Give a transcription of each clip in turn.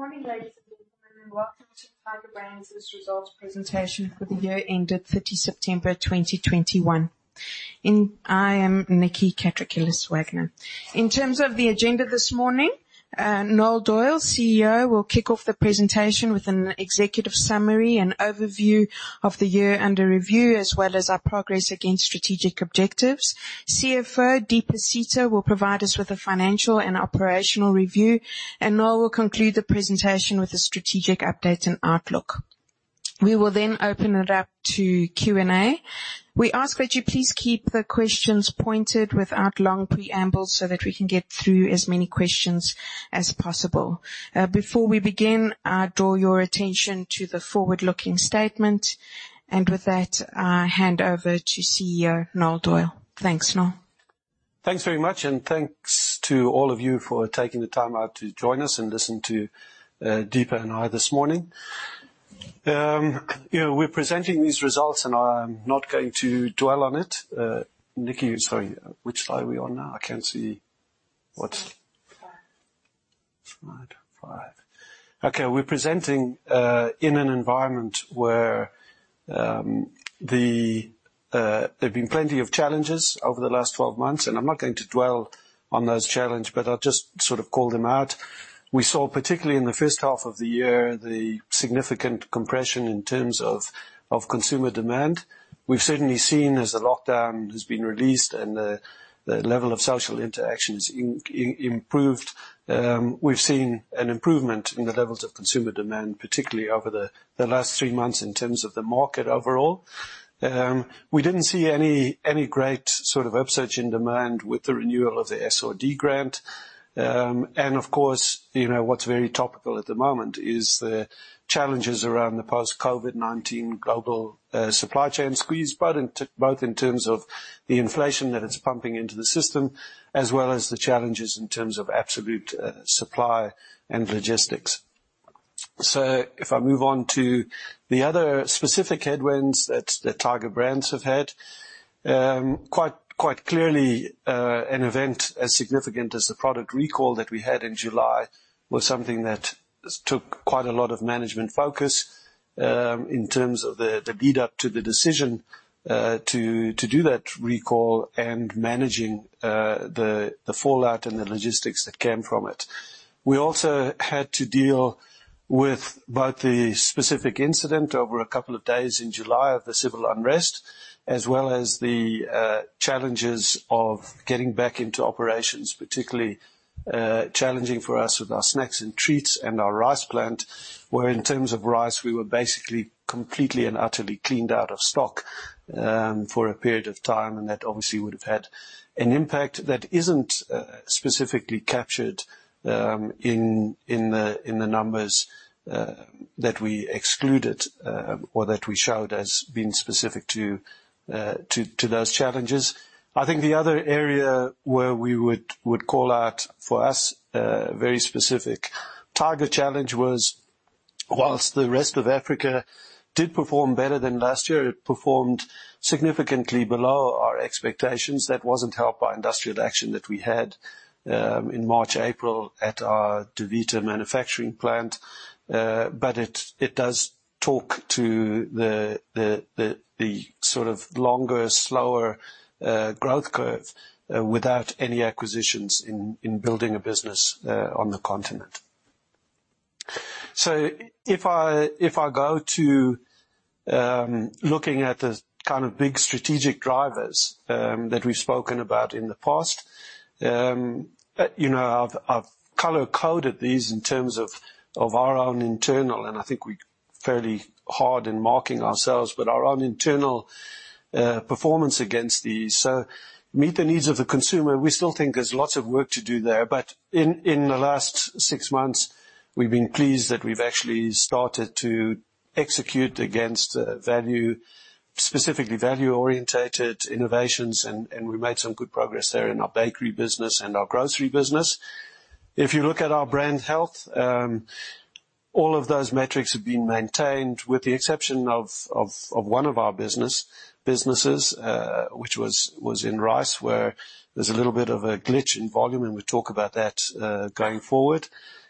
Good morning, ladies and gentlemen, and welcome to Tiger Brands' results presentation for the year ended 30 September 2021. I am Nikki Catrakilis-Wagner. In terms of the agenda this morning, Noel Doyle, CEO, will kick off the presentation with an executive summary and overview of the year under review, as well as our progress against strategic objectives. CFO Deepa Sita will provide us with a financial and operational review, and Noel will conclude the presentation with a strategic update and outlook. We will then open it up to Q&A. We ask that you please keep the questions pointed without long preambles so that we can get through as many questions as possible. Before we begin, I draw your attention to the forward-looking statement. With that, I hand over to CEO Noel Doyle. Thanks, Noel. Thanks very much, and thanks to all of you for taking the time out to join us and listen to Deepa and I this morning. You know, we're presenting these results, and I'm not going to dwell on it. Nikki, sorry, which slide are we on now? I can't see what's- Slide 5. Slide 5. Okay. We're presenting in an environment where there have been plenty of challenges over the last 12 months, and I'm not going to dwell on those challenges, but I'll just sort of call them out. We saw, particularly in the first half of the year, the significant compression in terms of consumer demand. We've certainly seen as the lockdown has been released and the level of social interaction is improved. We've seen an improvement in the levels of consumer demand, particularly over the last three months in terms of the market overall. We didn't see any great sort of upsurge in demand with the renewal of the SRD grant. Of course, you know, what's very topical at the moment is the challenges around the post-COVID-19 global supply chain squeeze, both in terms of the inflation that it's pumping into the system as well as the challenges in terms of absolute supply and logistics. If I move on to the other specific headwinds that Tiger Brands have had, quite clearly, an event as significant as the product recall that we had in July was something that took quite a lot of management focus, in terms of the lead up to the decision to do that recall and managing the fallout and the logistics that came from it. We also had to deal with both the specific incident over a couple of days in July of the civil unrest, as well as the challenges of getting back into operations, particularly challenging for us with our Snacks and Treats and our rice plant, where in terms of rice, we were basically completely and utterly cleaned out of stock for a period of time, and that obviously would have had an impact that isn't specifically captured in the numbers that we excluded or that we showed as being specific to those challenges. I think the other area where we would call out for us a very specific Tiger challenge was, while the rest of Africa did perform better than last year, it performed significantly below our expectations. That wasn't helped by industrial action that we had in March, April at our Davita manufacturing plant. It does talk to the sort of longer, slower growth curve without any acquisitions in building a business on the continent. If I go to looking at the kind of big strategic drivers that we've spoken about in the past, you know, I've color-coded these in terms of our own internal, and I think we're fairly hard on marking ourselves, but our own internal performance against these. Meet the needs of the consumer. We still think there's lots of work to do there, but in the last six months, we've been pleased that we've actually started to execute against value, specifically value-oriented innovations, and we made some good progress there in our bakery business and our Grocery business. If you look at our brand health, all of those metrics have been maintained with the exception of one of our businesses, which was in rice, where there's a little bit of a glitch in volume, and we'll talk about that going forward.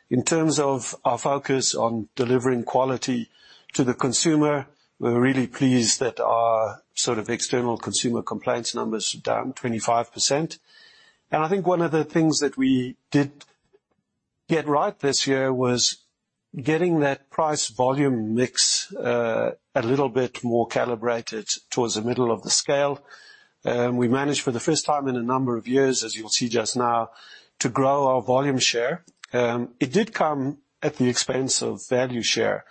In terms of our focus on delivering quality to the consumer, we're really pleased that our sort of external consumer complaints numbers are down 25%. I think one of the things that we did get right this year was getting that price volume mix, a little bit more calibrated towards the middle of the scale. We managed for the first time in a number of years, as you'll see just now, to grow our volume share. It did come at the expense of value share.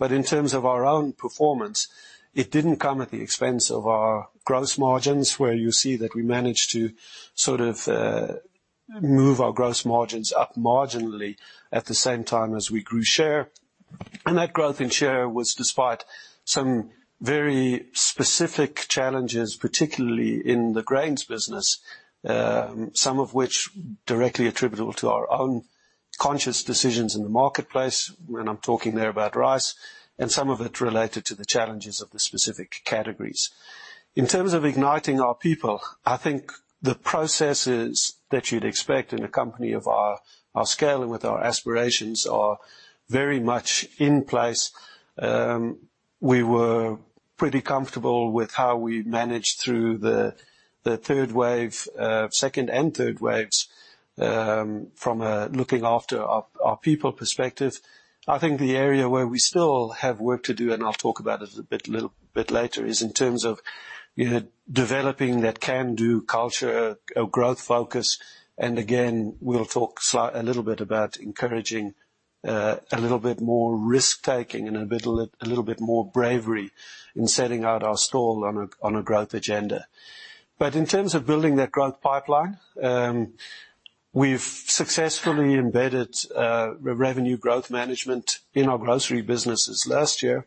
In terms of our own performance, it didn't come at the expense of our gross margins, where you see that we managed to sort of, move our gross margins up marginally at the same time as we grew share. That growth in share was despite some very specific challenges, particularly in the Grains business, some of which directly attributable to our own conscious decisions in the marketplace, and I'm talking there about rice, and some of it related to the challenges of the specific categories. In terms of igniting our people, I think the processes that you'd expect in a company of our scale and with our aspirations are very much in place. We were pretty comfortable with how we managed through the second and third waves from a looking after our people perspective. I think the area where we still have work to do, and I'll talk about it a bit later, is in terms of, you know, developing that can-do culture, a growth focus. Again, we'll talk a little bit about encouraging a little bit more risk-taking and a little bit more bravery in setting out our stall on a growth agenda. In terms of building that growth pipeline, we've successfully embedded revenue growth management in our Grocery businesses last year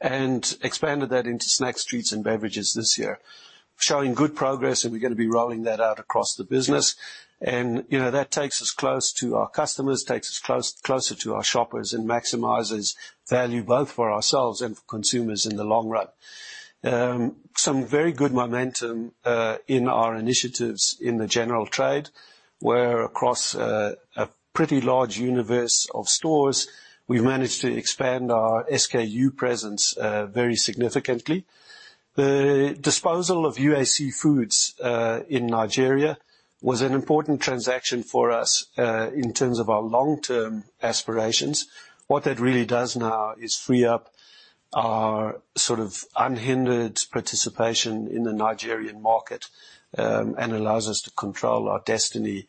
and expanded that into Snacks and Treats and Beverages this year, showing good progress, and we're gonna be rolling that out across the business. You know, that takes us close to our customers, closer to our shoppers and maximizes value both for ourselves and for consumers in the long run. Some very good momentum in our initiatives in the general trade, where across a pretty large universe of stores, we've managed to expand our SKU presence very significantly. The disposal of UAC Foods in Nigeria was an important transaction for us in terms of our long-term aspirations. What that really does now is free up our sort of unhindered participation in the Nigerian market and allows us to control our destiny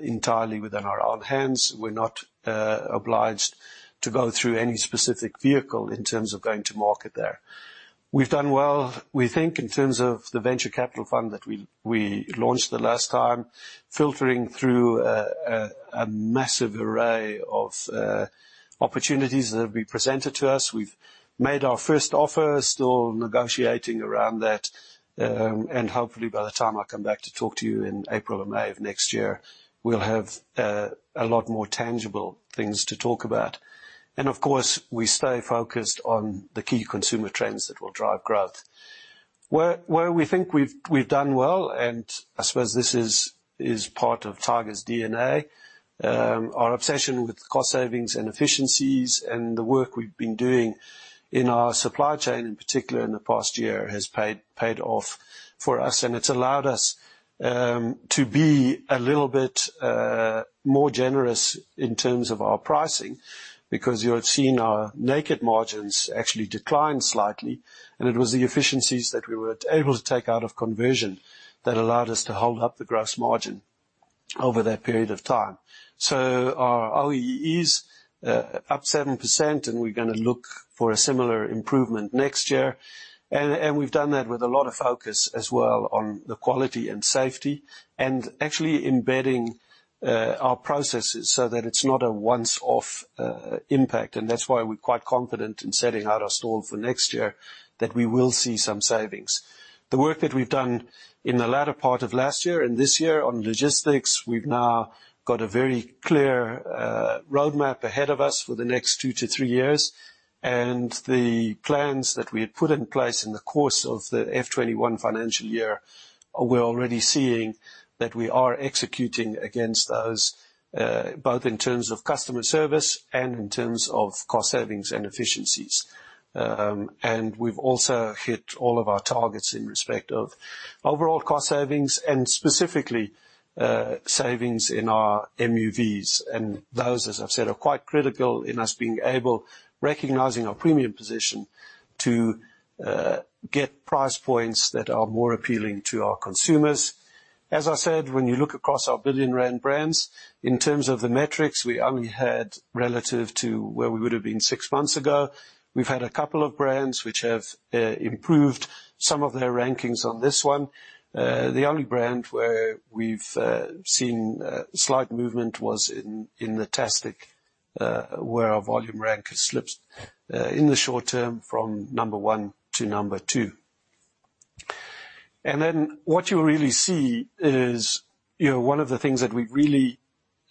entirely within our own hands. We're not obliged to go through any specific vehicle in terms of going to market there. We've done well, we think, in terms of the Venture Capital Fund that we launched the last time, filtering through a massive array of opportunities that have been presented to us. We've made our first offer, still negotiating around that, and hopefully by the time I come back to talk to you in April or May of next year, we'll have a lot more tangible things to talk about. Of course, we stay focused on the key consumer trends that will drive growth. Where we think we've done well, and I suppose this is part of Tiger's DNA, our obsession with cost savings and efficiencies and the work we've been doing in our supply chain, in particular in the past year, has paid off for us, and it's allowed us to be a little bit more generous in terms of our pricing, because you'll have seen our naked margins actually decline slightly, and it was the efficiencies that we were able to take out of conversion that allowed us to hold up the gross margin over that period of time. Our OEE is up 7%, and we're gonna look for a similar improvement next year, and we've done that with a lot of focus as well on the quality and safety, and actually embedding our processes so that it's not a one-off impact. That's why we're quite confident in setting out our stall for next year that we will see some savings. The work that we've done in the latter part of last year and this year on logistics, we've now got a very clear roadmap ahead of us for the next two to three years. The plans that we had put in place in the course of the FY 2021 financial year, we're already seeing that we are executing against those, both in terms of customer service and in terms of cost savings and efficiencies. We've also hit all of our targets in respect of overall cost savings and specifically, savings in our MUVs. Those, as I've said, are quite critical in us being able, recognizing our premium position, to get price points that are more appealing to our consumers. As I said, when you look across our billion rand brands, in terms of the metrics we only had relative to where we would have been six months ago, we've had a couple of brands which have improved some of their rankings on this one. The only brand where we've seen slight movement was in the Tastic, where our volume rank has slipped in the short term from number one to number two. Then what you'll really see is, you know, one of the things that we've really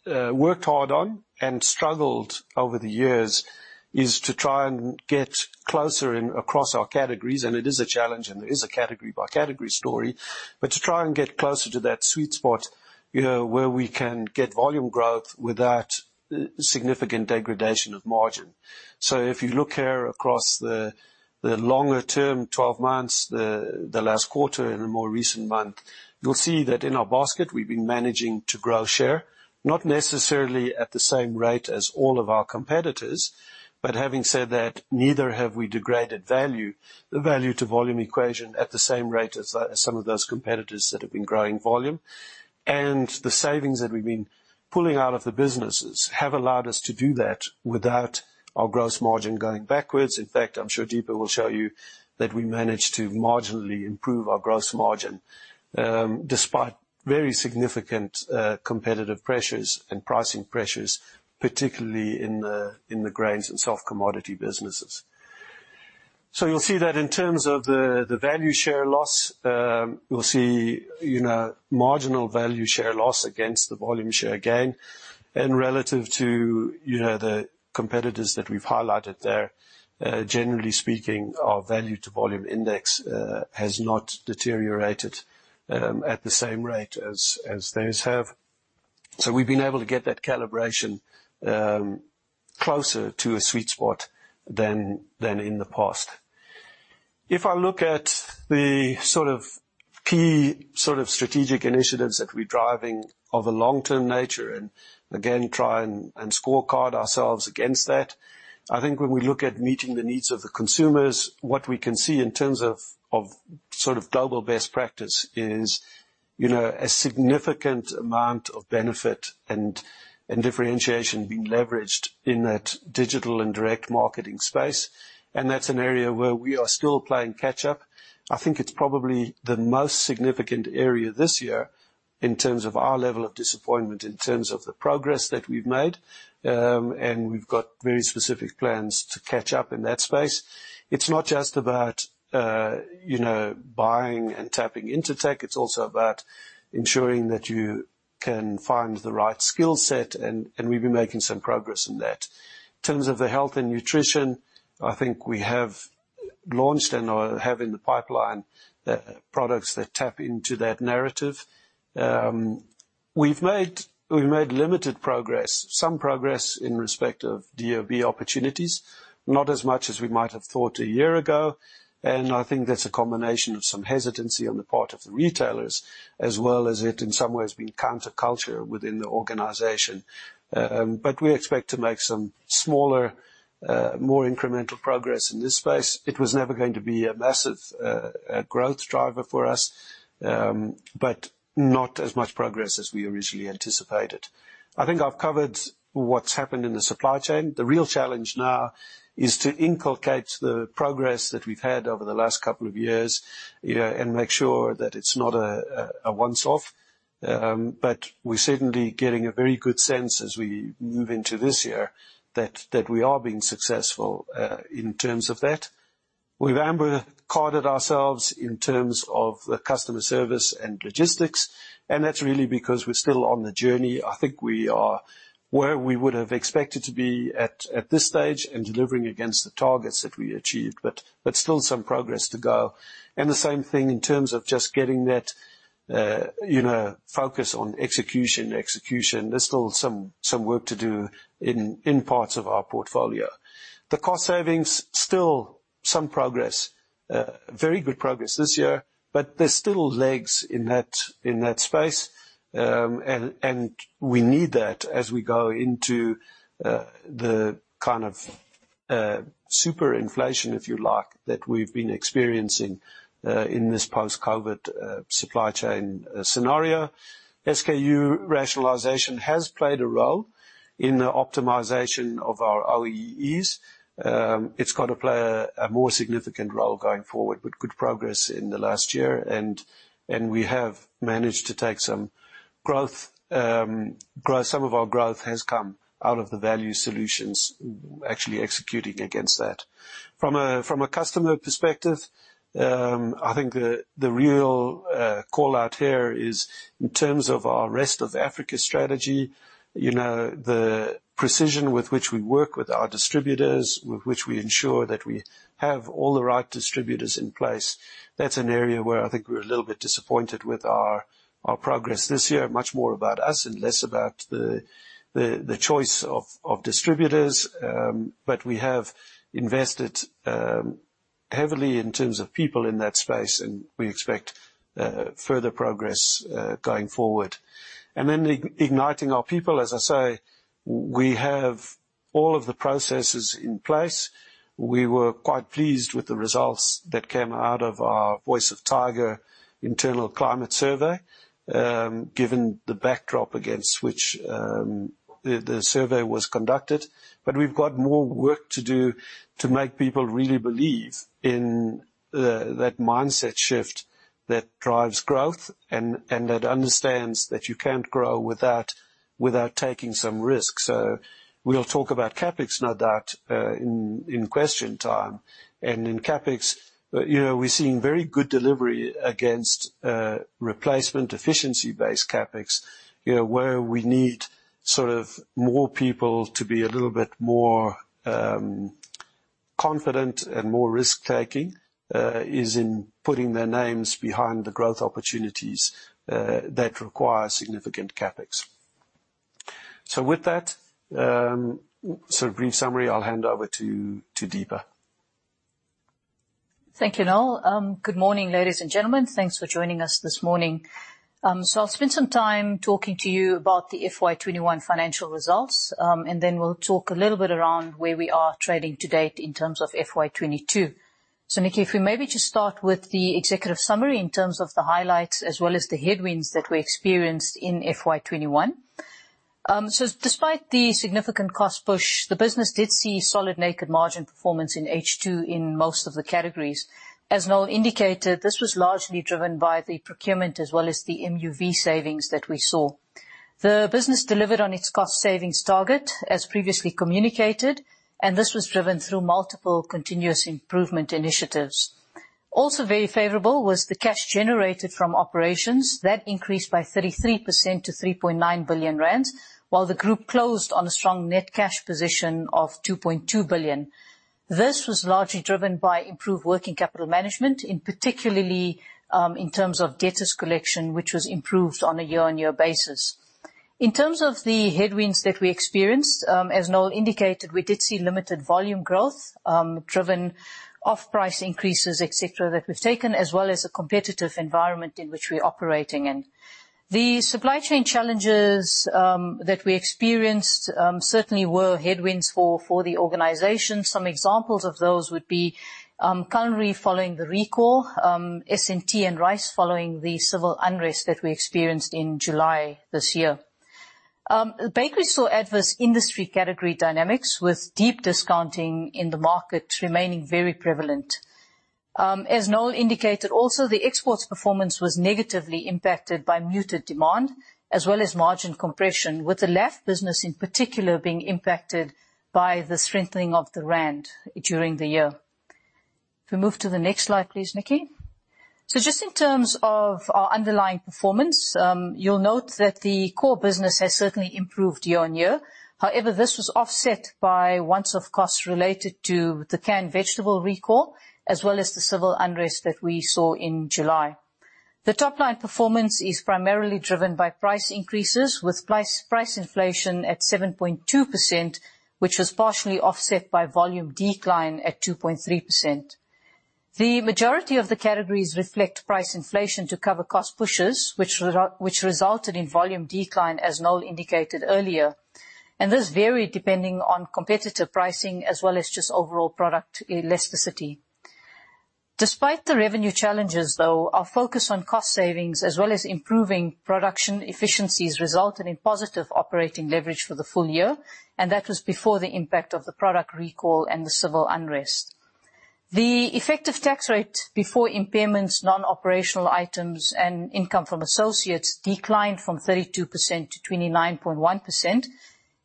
worked hard on and struggled over the years is to try and get closer in across our categories. It is a challenge, and it is a category by category story, but to try and get closer to that sweet spot, you know, where we can get volume growth without significant degradation of margin. If you look here across the longer term, 12 months, the last quarter in a more recent month, you'll see that in our basket, we've been managing to grow share, not necessarily at the same rate as all of our competitors. Having said that, neither have we degraded value, the value to volume equation at the same rate as some of those competitors that have been growing volume. The savings that we've been pulling out of the businesses have allowed us to do that without our gross margin going backwards. In fact, I'm sure Deepa will show you that we managed to marginally improve our gross margin, despite very significant competitive pressures and pricing pressures, particularly in the Grains and soft commodity businesses. You'll see that in terms of the value share loss, you'll see, you know, marginal value share loss against the volume share gain. Relative to the competitors that we've highlighted there, generally speaking, our value to volume index has not deteriorated at the same rate as theirs have. We've been able to get that calibration closer to a sweet spot than in the past. If I look at the sort of key strategic initiatives that we're driving of a long-term nature and again, try and scorecard ourselves against that, I think when we look at meeting the needs of the consumers, what we can see in terms of sort of global best practice is, you know, a significant amount of benefit and differentiation being leveraged in that digital and direct marketing space. That's an area where we are still playing catch up. I think it's probably the most significant area this year in terms of our level of disappointment, in terms of the progress that we've made, and we've got very specific plans to catch up in that space. It's not just about, you know, buying and tapping into tech, it's also about ensuring that you can find the right skill set and we've been making some progress in that. In terms of the health and nutrition, I think we have launched and have in the pipeline the products that tap into that narrative. We've made limited progress, some progress in respect of DOB opportunities, not as much as we might have thought a year ago. I think that's a combination of some hesitancy on the part of the retailers as well as it in some ways being counterculture within the organization. We expect to make some smaller, more incremental progress in this space. It was never going to be a massive growth driver for us, but not as much progress as we originally anticipated. I think I've covered what's happened in the supply chain. The real challenge now is to inculcate the progress that we've had over the last couple of years, you know, and make sure that it's not a once-off. But we're certainly getting a very good sense as we move into this year that we are being successful in terms of that. We've amber carded ourselves in terms of the customer service and logistics, and that's really because we're still on the journey. I think we are where we would've expected to be at this stage and delivering against the targets that we achieved, but still some progress to go. The same thing in terms of just getting that, you know, focus on execution. There's still some work to do in parts of our portfolio. The cost savings, still some progress, very good progress this year, but there's still legs in that space. We need that as we go into the kind of super inflation, if you like, that we've been experiencing in this post-COVID supply chain scenario. SKU rationalization has played a role in the optimization of our OEEs. It's gotta play a more significant role going forward, but good progress in the last year and we have managed to take some growth. Some of our growth has come out of the value solutions actually executing against that. From a customer perspective, I think the real call out here is in terms of our rest of Africa strategy, you know, the precision with which we work with our distributors, with which we ensure that we have all the right distributors in place. That's an area where I think we're a little bit disappointed with our progress this year. Much more about us and less about the choice of distributors. We have invested heavily in terms of people in that space and we expect further progress going forward. Igniting our people. As I say, we have all of the processes in place. We were quite pleased with the results that came out of our Voice of Tiger internal climate survey, given the backdrop against which the survey was conducted. We've got more work to do to make people really believe in that mindset shift that drives growth and that understands that you can't grow without taking some risks. We'll talk about CapEx, no doubt, in question time. In CapEx, you know, we're seeing very good delivery against replacement efficiency-based CapEx, you know, where we need sort of more people to be a little bit more confident and more risk-taking is in putting their names behind the growth opportunities that require significant CapEx. With that sort of brief summary, I'll hand over to Deepa. Thank you, Noel. Good morning, ladies and gentlemen. Thanks for joining us this morning. I'll spend some time talking to you about the FY 2021 financial results, and then we'll talk a little bit around where we are trading to date in terms of FY 2022. Nikki, if we maybe just start with the executive summary in terms of the highlights as well as the headwinds that we experienced in FY 2021. Despite the significant cost push, the business did see solid naked margin performance in H2 in most of the categories. As Noel indicated, this was largely driven by the procurement as well as the MUV savings that we saw. The business delivered on its cost savings target as previously communicated, and this was driven through multiple continuous improvement initiatives. Also very favorable was the cash generated from operations that increased by 33% to 3.9 billion rand. While the group closed on a strong net cash position of 2.2 billion, this was largely driven by improved working capital management in particular, in terms of debtors collection, which was improved on a year-on-year basis. In terms of the headwinds that we experienced, as Noel indicated, we did see limited volume growth, driven by price increases, et cetera, that we've taken, as well as a competitive environment in which we're operating in. The supply chain challenges that we experienced certainly were headwinds for the organization. Some examples of those would be, [Canning] following the recall, SNT and Rice following the civil unrest that we experienced in July this year. Bakery saw adverse industry category dynamics with deep discounting in the market remaining very prevalent. As Noel indicated, also, the exports performance was negatively impacted by muted demand as well as margin compression, with the LAF business in particular being impacted by the strengthening of the rand during the year. If we move to the next slide, please, Nikki? Just in terms of our underlying performance, you'll note that the core business has certainly improved year-on-year. However, this was offset by once-off costs related to the canned vegetable recall, as well as the civil unrest that we saw in July. The top line performance is primarily driven by price increases, with price inflation at 7.2%, which was partially offset by volume decline at 2.3%. The majority of the categories reflect price inflation to cover cost pushes, which resulted in volume decline, as Noel indicated earlier. This varied depending on competitive pricing, as well as just overall product elasticity. Despite the revenue challenges, though, our focus on cost savings as well as improving production efficiencies resulted in positive operating leverage for the full year, and that was before the impact of the product recall and the civil unrest. The effective tax rate before impairments, non-operational items and income from associates declined from 32% to 29.1%,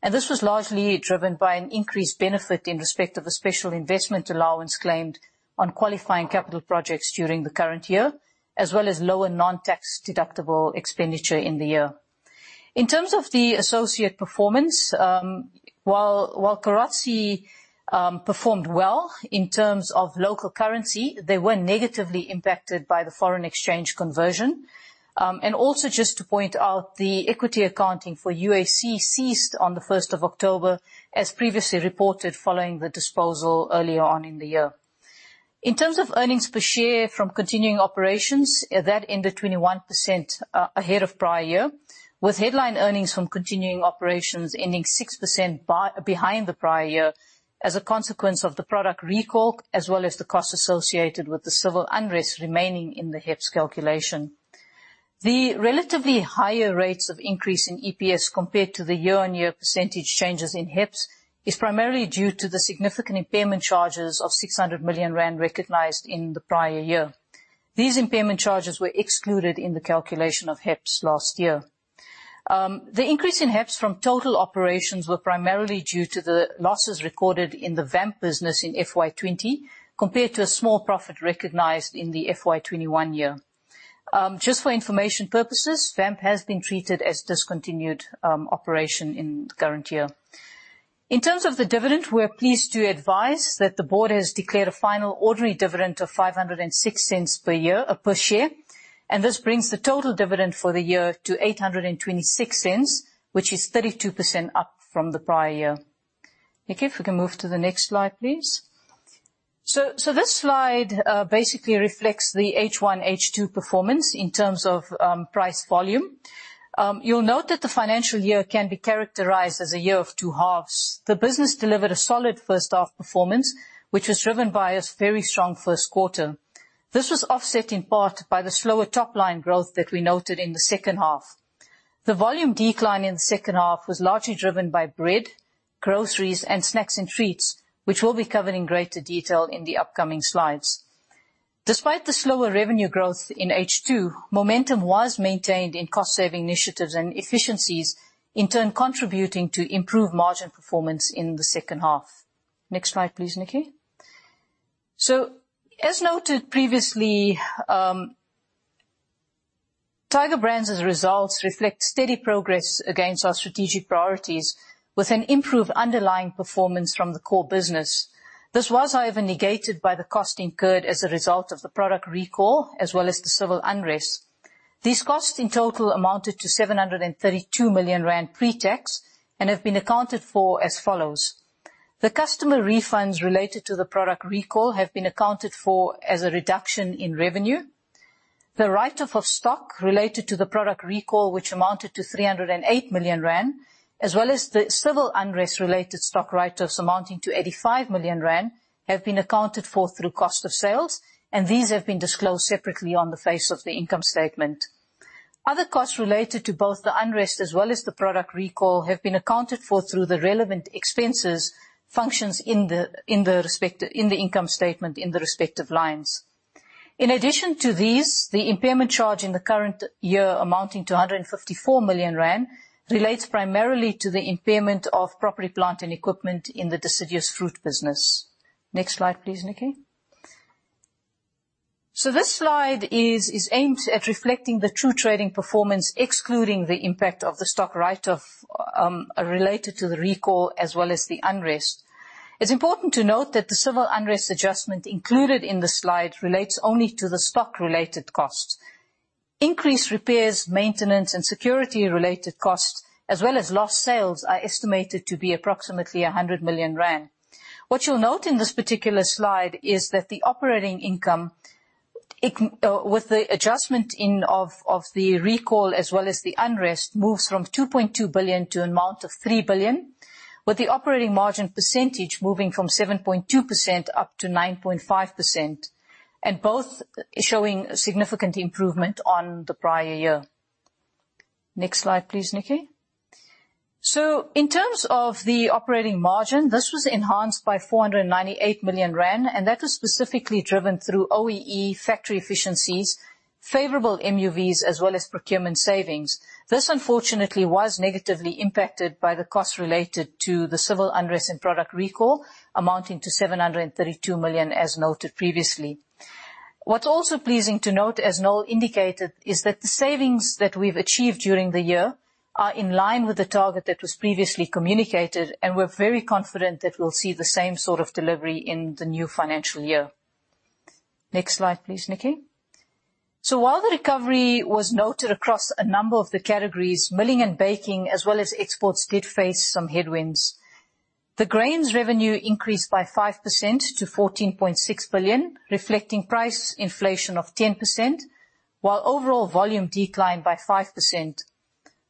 and this was largely driven by an increased benefit in respect of a special investment allowance claimed on qualifying capital projects during the current year, as well as lower non-tax deductible expenditure in the year. In terms of the associate performance, while Carozzi performed well in terms of local currency, they were negatively impacted by the foreign exchange conversion. Also just to point out the equity accounting for UAC ceased on the first of October as previously reported, following the disposal earlier on in the year. In terms of earnings per share from continuing operations, that ended 21% ahead of prior year, with headline earnings from continuing operations ending 6% behind the prior year as a consequence of the product recall, as well as the costs associated with the civil unrest remaining in the HEPS calculation. The relatively higher rates of increase in EPS compared to the year-on-year percentage changes in HEPS is primarily due to the significant impairment charges of 600 million rand recognized in the prior year. These impairment charges were excluded in the calculation of HEPS last year. The increase in HEPS from total operations were primarily due to the losses recorded in the VAMP business in FY 2020, compared to a small profit recognized in the FY 2021 year. Just for information purposes, VAMP has been treated as discontinued operation in the current year. In terms of the dividend, we're pleased to advise that the board has declared a final ordinary dividend of 5.06 per year per share, and this brings the total dividend for the year to 8.26, which is 32% up from the prior year. Nikki, if we can move to the next slide, please? This slide basically reflects the H1, H2 performance in terms of price volume. You'll note that the financial year can be characterized as a year of two halves. The business delivered a solid first half performance, which was driven by a very strong first quarter. This was offset in part by the slower top-line growth that we noted in the second half. The volume decline in the second half was largely driven by bread, groceries and Snacks and Treats, which we'll be covering in greater detail in the upcoming slides. Despite the slower revenue growth in H2, momentum was maintained in cost saving initiatives and efficiencies, in turn contributing to improved margin performance in the second half. Next slide, please, Nikki? As noted previously, Tiger Brands' results reflect steady progress against our strategic priorities with an improved underlying performance from the core business. This was, however, negated by the cost incurred as a result of the product recall as well as the civil unrest. These costs in total amounted to 732 million rand pre-tax and have been accounted for as follows. The customer refunds related to the product recall have been accounted for as a reduction in revenue. The write-off of stock related to the product recall, which amounted to 308 million rand, as well as the civil unrest related stock write-offs amounting to 85 million rand, have been accounted for through cost of sales, and these have been disclosed separately on the face of the income statement. Other costs related to both the unrest as well as the product recall have been accounted for through the relevant expenses functions in the respective lines in the income statement. In addition to these, the impairment charge in the current year amounting to 154 million rand relates primarily to the impairment of property, plant and equipment in the Deciduous Fruit business. Next slide please, Nikki? This slide is aimed at reflecting the true trading performance, excluding the impact of the stock write-off related to the recall as well as the unrest. It's important to note that the civil unrest adjustment included in the slide relates only to the stock-related costs. Increased repairs, maintenance, and security-related costs, as well as lost sales, are estimated to be approximately 100 million rand. What you'll note in this particular slide is that the operating income, with the adjustment of the recall as well as the unrest, moves from 2.2 billion to amount of 3 billion, with the operating margin percentage moving from 7.2% up to 9.5%, and both showing significant improvement on the prior year. Next slide, please, Nikki? In terms of the operating margin, this was enhanced by 498 million rand, and that was specifically driven through OEE factory efficiencies, favorable MUVs, as well as procurement savings. This, unfortunately, was negatively impacted by the costs related to the civil unrest and product recall, amounting to 732 million as noted previously. What's also pleasing to note, as Noel indicated, is that the savings that we've achieved during the year are in line with the target that was previously communicated, and we're very confident that we'll see the same sort of delivery in the new financial year. Next slide, please, Nikki? While the recovery was noted across a number of the categories, milling and baking, as well as exports, did face some headwinds. The Grains revenue increased by 5% to 14.6 billion, reflecting price inflation of 10%, while overall volume declined by 5%.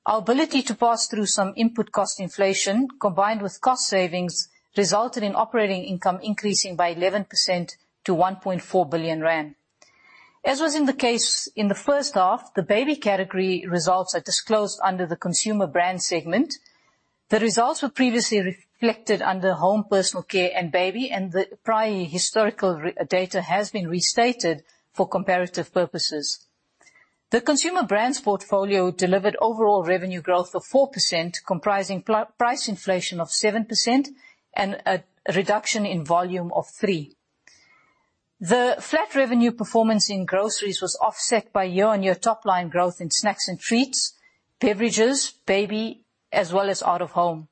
Our ability to pass through some input cost inflation, combined with cost savings, resulted in operating income increasing by 11% to 1.4 billion rand. As was in the case in the first half, the Baby category results are disclosed under the Consumer Brands segment. The results were previously reflected under Home, Personal Care, and Baby, and the prior historical data has been restated for comparative purposes. The Consumer Brands portfolio delivered overall revenue growth of 4%, comprising price inflation of 7% and a reduction in volume of 3%. The flat revenue performance in Groceries was offset by year-on-year top-line growth in Snacks and Treats, Beverages, Baby, as well as out of home.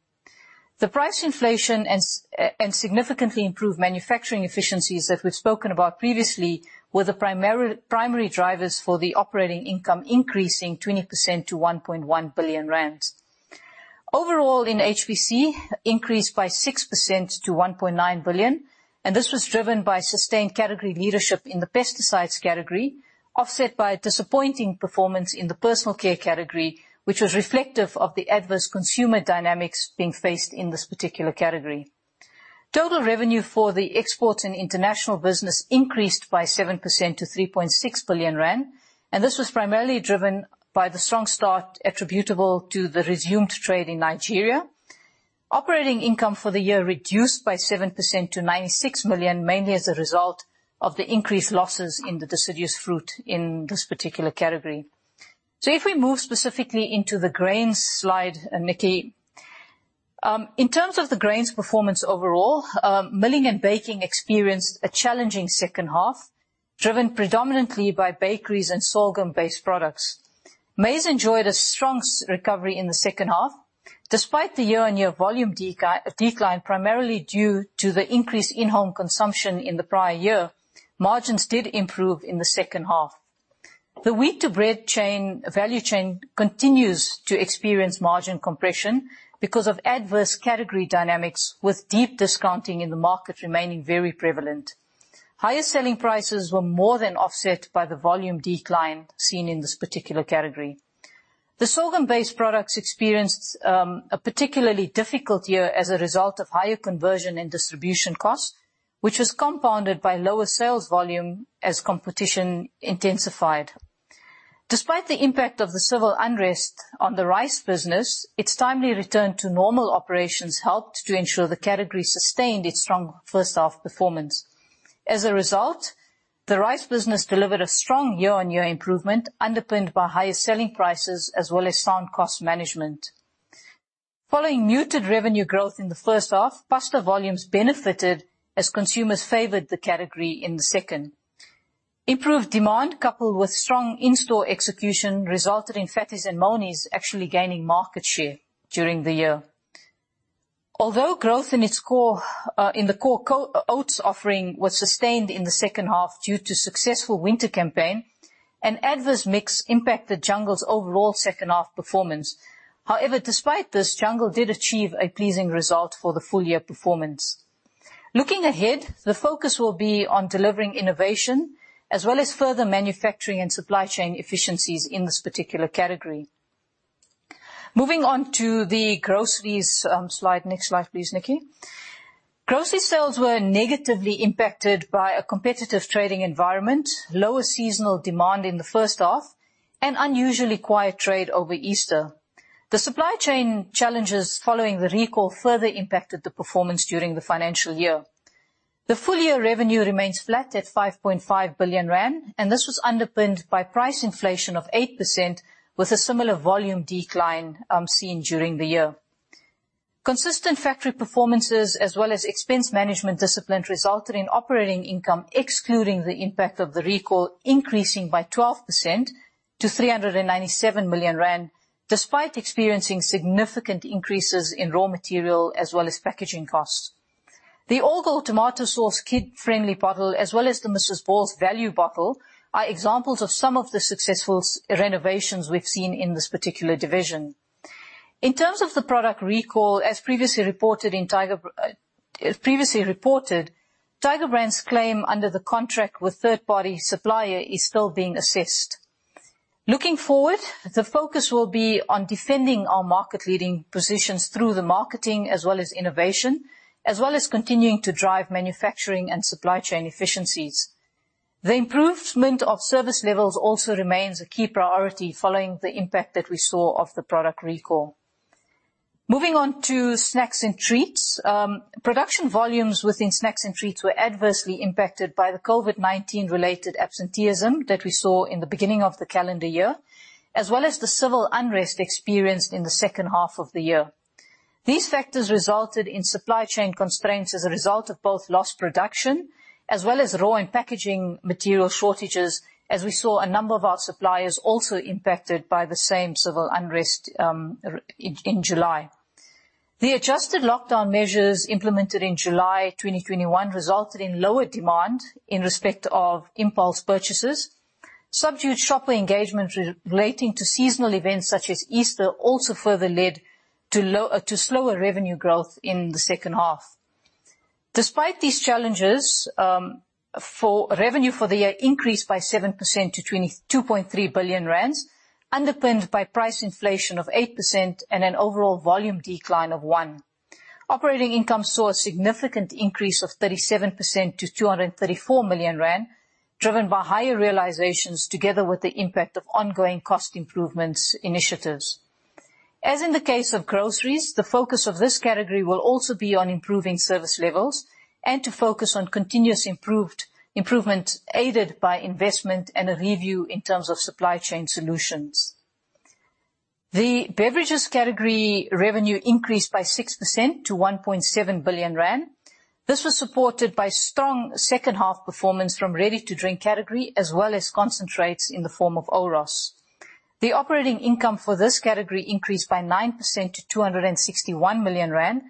The price inflation and significantly improved manufacturing efficiencies that we've spoken about previously were the primary drivers for the operating income increasing 20% to 1.1 billion rand. Overall, HPC increased by 6% to 1.9 billion, and this was driven by sustained category leadership in the pesticides category, offset by a disappointing performance in the Personal Care category, which was reflective of the adverse consumer dynamics being faced in this particular category. Total revenue for the Exports and International business increased by 7% to 3.6 billion rand, and this was primarily driven by the strong start attributable to the resumed trade in Nigeria. Operating income for the year reduced by 7% to 96 million, mainly as a result of the increased losses in the Deciduous Fruit in this particular category. If we move specifically into the Grains slide. In terms of the Grains performance overall, Milling and Baking experienced a challenging second half, driven predominantly by bakeries and sorghum-based products. Maize enjoyed a strong recovery in the second half. Despite the year-on-year volume decline, primarily due to the increased in-home consumption in the prior year, margins did improve in the second half. The wheat-to-bread value chain continues to experience margin compression because of adverse category dynamics, with deep discounting in the market remaining very prevalent. Higher selling prices were more than offset by the volume decline seen in this particular category. The sorghum-based products experienced a particularly difficult year as a result of higher conversion and distribution costs, which was compounded by lower sales volume as competition intensified. Despite the impact of the civil unrest on the Rice business, its timely return to normal operations helped to ensure the category sustained its strong first half performance. As a result, the Rice business delivered a strong year-on-year improvement underpinned by higher selling prices as well as sound cost management. Following muted revenue growth in the first half, pasta volumes benefited as consumers favored the category in the second. Improved demand, coupled with strong in-store execution, resulted in Fatti's & Moni's actually gaining market share during the year. Although growth in its core oats offering was sustained in the second half due to successful winter campaign and adverse mix impacted Jungle's overall second half performance. However, despite this, Jungle did achieve a pleasing result for the full year performance. Looking ahead, the focus will be on delivering innovation as well as further manufacturing and supply chain efficiencies in this particular category. Moving on to the Groceries slide. Next slide please, Nikki? Grocery sales were negatively impacted by a competitive trading environment, lower seasonal demand in the first half, and unusually quiet trade over Easter. The supply chain challenges following the recall further impacted the performance during the financial year. The full year revenue remains flat at 5.5 billion rand, and this was underpinned by price inflation of 8% with a similar volume decline seen during the year. Consistent factory performances as well as expense management discipline resulted in operating income, excluding the impact of the recall, increasing by 12% to 397 million rand, despite experiencing significant increases in raw material as well as packaging costs. The All Gold tomato sauce kid-friendly bottle, as well as the Mrs. Ball's value bottle, are examples of some of the successful renovations we've seen in this particular division. In terms of the product recall, as previously reported, Tiger Brands' claim under the contract with third-party supplier is still being assessed. Looking forward, the focus will be on defending our market-leading positions through the marketing as well as innovation, as well as continuing to drive manufacturing and supply chain efficiencies. The improvement of service levels also remains a key priority following the impact that we saw of the product recall. Moving on to Snacks and Treats. Production volumes within Snacks and Treats were adversely impacted by the COVID-19 related absenteeism that we saw in the beginning of the calendar year, as well as the civil unrest experienced in the second half of the year. These factors resulted in supply chain constraints as a result of both lost production as well as raw and packaging material shortages, as we saw a number of our suppliers also impacted by the same civil unrest in July. The adjusted lockdown measures implemented in July 2021 resulted in lower demand in respect of impulse purchases. Subdued shopper engagement relating to seasonal events such as Easter also further led to slower revenue growth in the second half. Despite these challenges, revenue for the year increased by 7% to 22.3 billion rand, underpinned by price inflation of 8% and an overall volume decline of 1%. Operating income saw a significant increase of 37% to 234 million rand, driven by higher realizations together with the impact of ongoing cost improvement initiatives. As in the case of Groceries, the focus of this category will also be on improving service levels and to focus on continuous improvement aided by investment and a review in terms of supply chain solutions. The Beverages category revenue increased by 6% to 1.7 billion rand. This was supported by strong second half performance from ready to drink category, as well as concentrates in the form of Oros. The operating income for this category increased by 9% to 261 million rand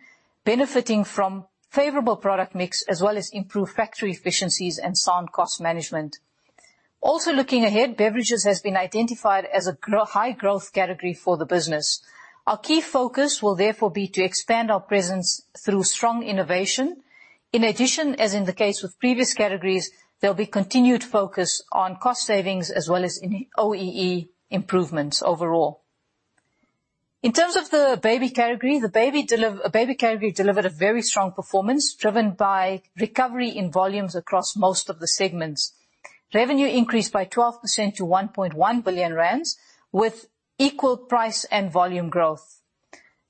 benefiting from favorable product mix as well as improved factory efficiencies and sound cost management. Looking ahead, Beverages has been identified as a high growth category for the business. Our key focus will therefore be to expand our presence through strong innovation. In addition, as in the case with previous categories, there'll be continued focus on cost savings as well as any OEE improvements overall. In terms of the Baby category, the Baby category delivered a very strong performance, driven by recovery in volumes across most of the segments. Revenue increased by 12% to 1.1 billion rand with equal price and volume growth.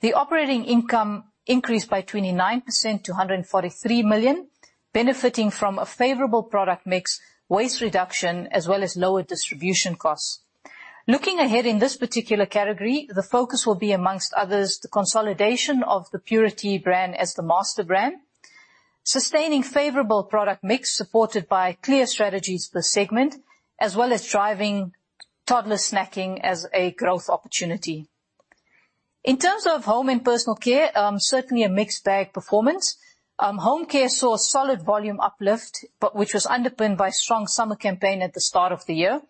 The operating income increased by 29% to 143 million benefiting from a favorable product mix, waste reduction, as well as lower distribution costs. Looking ahead in this particular category, the focus will be, among others, the consolidation of the Purity brand as the master brand, sustaining favorable product mix supported by clear strategies for the segment, as well as driving toddler snacking as a growth opportunity. In terms of Home and Personal Care, certainly a mixed bag performance. Home Care saw solid volume uplift, but which was underpinned by strong summer campaign at the start of the year,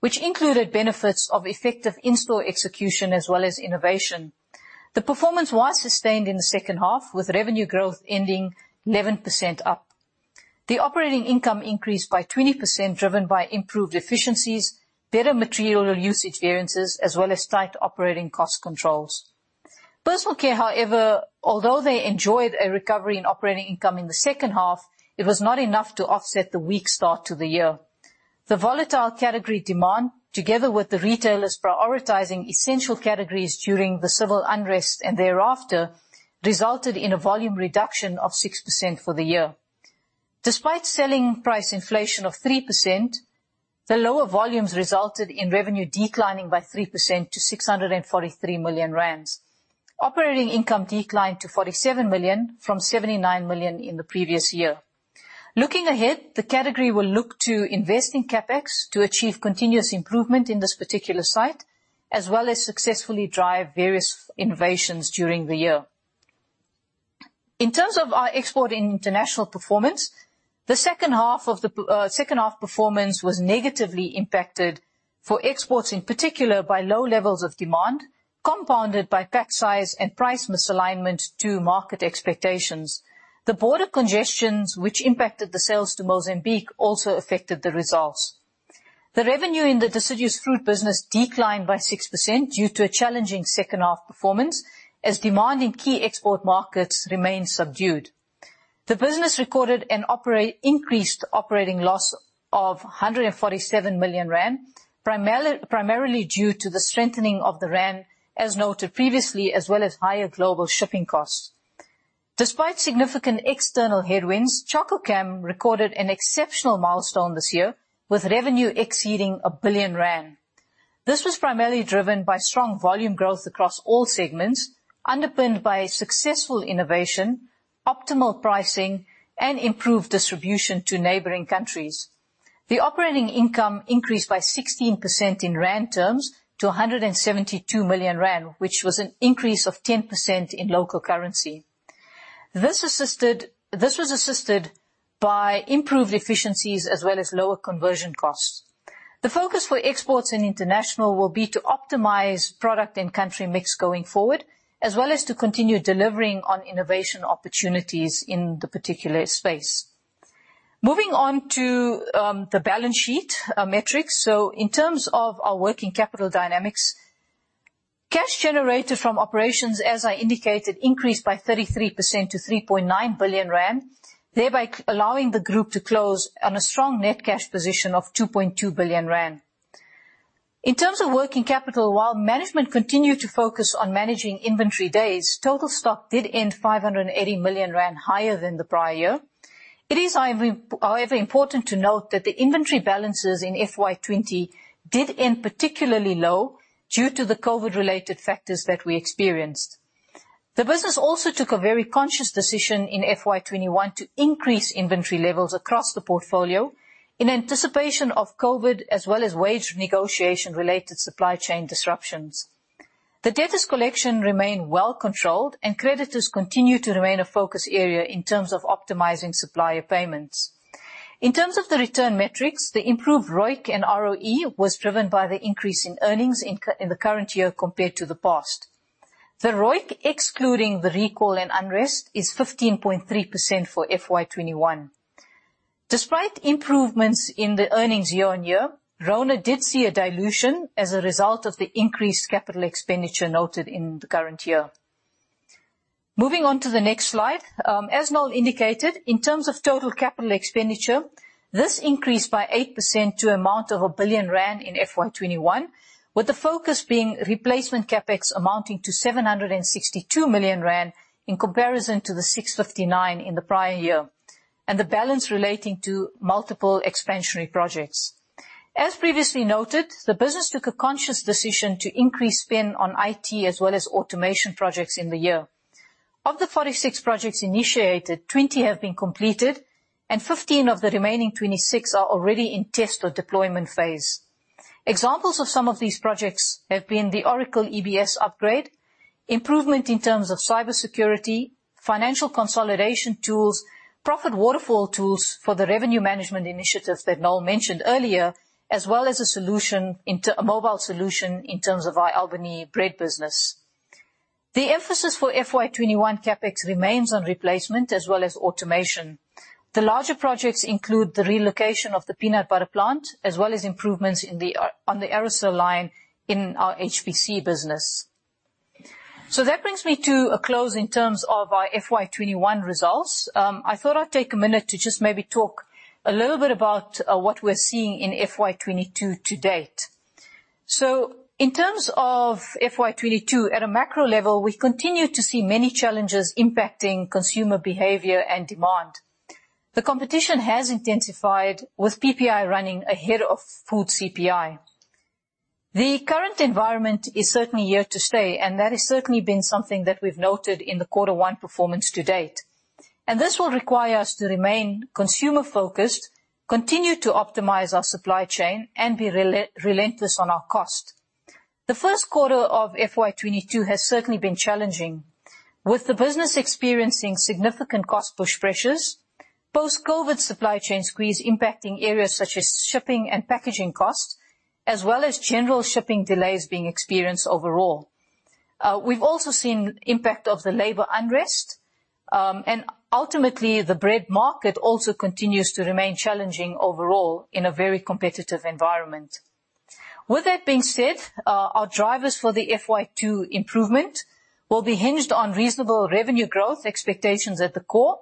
which included benefits of effective in-store execution as well as innovation. The performance was sustained in the second half, with revenue growth ending 11% up. The operating income increased by 20%, driven by improved efficiencies, better material usage variances, as well as tight operating cost controls. Personal Care, however, although they enjoyed a recovery in operating income in the second half, it was not enough to offset the weak start to the year. The volatile category demand, together with the retailers prioritizing essential categories during the civil unrest and thereafter, resulted in a volume reduction of 6% for the year. Despite selling price inflation of 3%, the lower volumes resulted in revenue declining by 3% to 643 million rand. Operating income declined to 47 million from 79 million in the previous year. Looking ahead, the category will look to invest in CapEx to achieve continuous improvement in this particular site, as well as successfully drive various innovations during the year. In terms of our export international performance, the second half performance was negatively impacted for exports, in particular by low levels of demand, compounded by pack size and price misalignment to market expectations. The border congestion which impacted the sales to Mozambique also affected the results. The revenue in the Deciduous Fruit business declined by 6% due to a challenging second half performance as demand in key export markets remained subdued. The business recorded an increased operating loss of 147 million rand, primarily due to the strengthening of the rand, as noted previously, as well as higher global shipping costs. Despite significant external headwinds, Chococam recorded an exceptional milestone this year, with revenue exceeding 1 billion rand. This was primarily driven by strong volume growth across all segments, underpinned by successful innovation, optimal pricing, and improved distribution to neighboring countries. The operating income increased by 16% in rand terms to 172 million rand, which was an increase of 10% in local currency. This was assisted by improved efficiencies as well as lower conversion costs. The focus for exports in international will be to optimize product and country mix going forward, as well as to continue delivering on innovation opportunities in the particular space. Moving on to the balance sheet metrics. In terms of our working capital dynamics, cash generated from operations, as I indicated, increased by 33% to 3.9 billion rand, thereby allowing the group to close on a strong net cash position of 2.2 billion rand. In terms of working capital, while management continued to focus on managing inventory days, total stock did end 580 million rand higher than the prior year. It is, however, important to note that the inventory balances in FY 2020 did end particularly low due to the COVID-related factors that we experienced. The business also took a very conscious decision in FY 2021 to increase inventory levels across the portfolio in anticipation of COVID as well as wage negotiation related supply chain disruptions. The debtors collection remained well controlled, and creditors continue to remain a focus area in terms of optimizing supplier payments. In terms of the return metrics, the improved ROIC and ROE was driven by the increase in earnings in the current year compared to the past. The ROIC, excluding the recall and unrest, is 15.3% for FY 2021. Despite improvements in the earnings year-on-year, RONA did see a dilution as a result of the increased capital expenditure noted in the current year. Moving on to the next slide. As Noel indicated, in terms of total capital expenditure, this increased by 8% to 1 billion rand in FY 2021, with the focus being replacement CapEx amounting to 762 million rand in comparison to the 659 million in the prior year, and the balance relating to multiple expansionary projects. As previously noted, the business took a conscious decision to increase spend on IT as well as automation projects in the year. Of the 46 projects initiated, 20 have been completed and 15 of the remaining 26 are already in test or deployment phase. Examples of some of these projects have been the Oracle EBS upgrade, improvement in terms of cybersecurity, financial consolidation tools, profit waterfall tools for the revenue management initiatives that Noel mentioned earlier, as well as a mobile solution in terms of our Albany bread business. The emphasis for FY 2021 CapEx remains on replacement as well as automation. The larger projects include the relocation of the peanut butter plant, as well as improvements on the aerosol line in our HPC business. That brings me to a close in terms of our FY 2021 results. I thought I'd take a minute to just maybe talk a little bit about what we're seeing in FY 2022 to date. In terms of FY 2022, at a macro level, we continue to see many challenges impacting consumer behavior and demand. The competition has intensified, with PPI running ahead of food CPI. The current environment is certainly here to stay, and that has certainly been something that we've noted in the quarter one performance to date. This will require us to remain consumer focused, continue to optimize our supply chain and be relentless on our cost. The first quarter of FY 2022 has certainly been challenging. With the business experiencing significant cost push pressures, post-COVID supply chain squeeze impacting areas such as shipping and packaging costs, as well as general shipping delays being experienced overall. We've also seen impact of the labor unrest, and ultimately, the bread market also continues to remain challenging overall in a very competitive environment. With that being said, our drivers for the FY 2022 improvement will be hinged on reasonable revenue growth expectations at the core.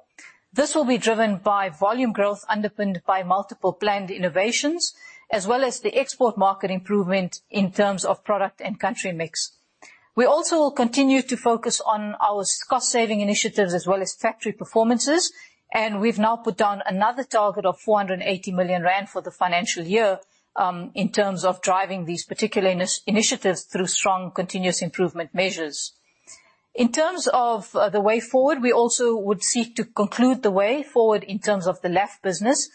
This will be driven by volume growth underpinned by multiple planned innovations, as well as the export market improvement in terms of product and country mix. We also will continue to focus on our cost saving initiatives as well as factory performances, and we've now put down another target of 480 million rand for the financial year in terms of driving these particular initiatives through strong continuous improvement measures. In terms of the way forward, we also would seek to conclude the way forward in terms of the LAF business,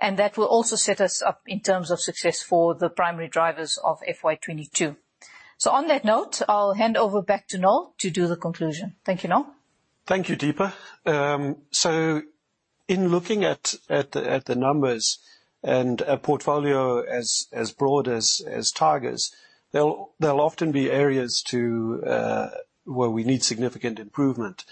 and that will also set us up in terms of success for the primary drivers of FY 2022. On that note, I'll hand over back to Noel to do the conclusion. Thank you, Noel. Thank you, Deepa. So in looking at the numbers and a portfolio as broad as Tiger's, there'll often be areas where we need significant improvement.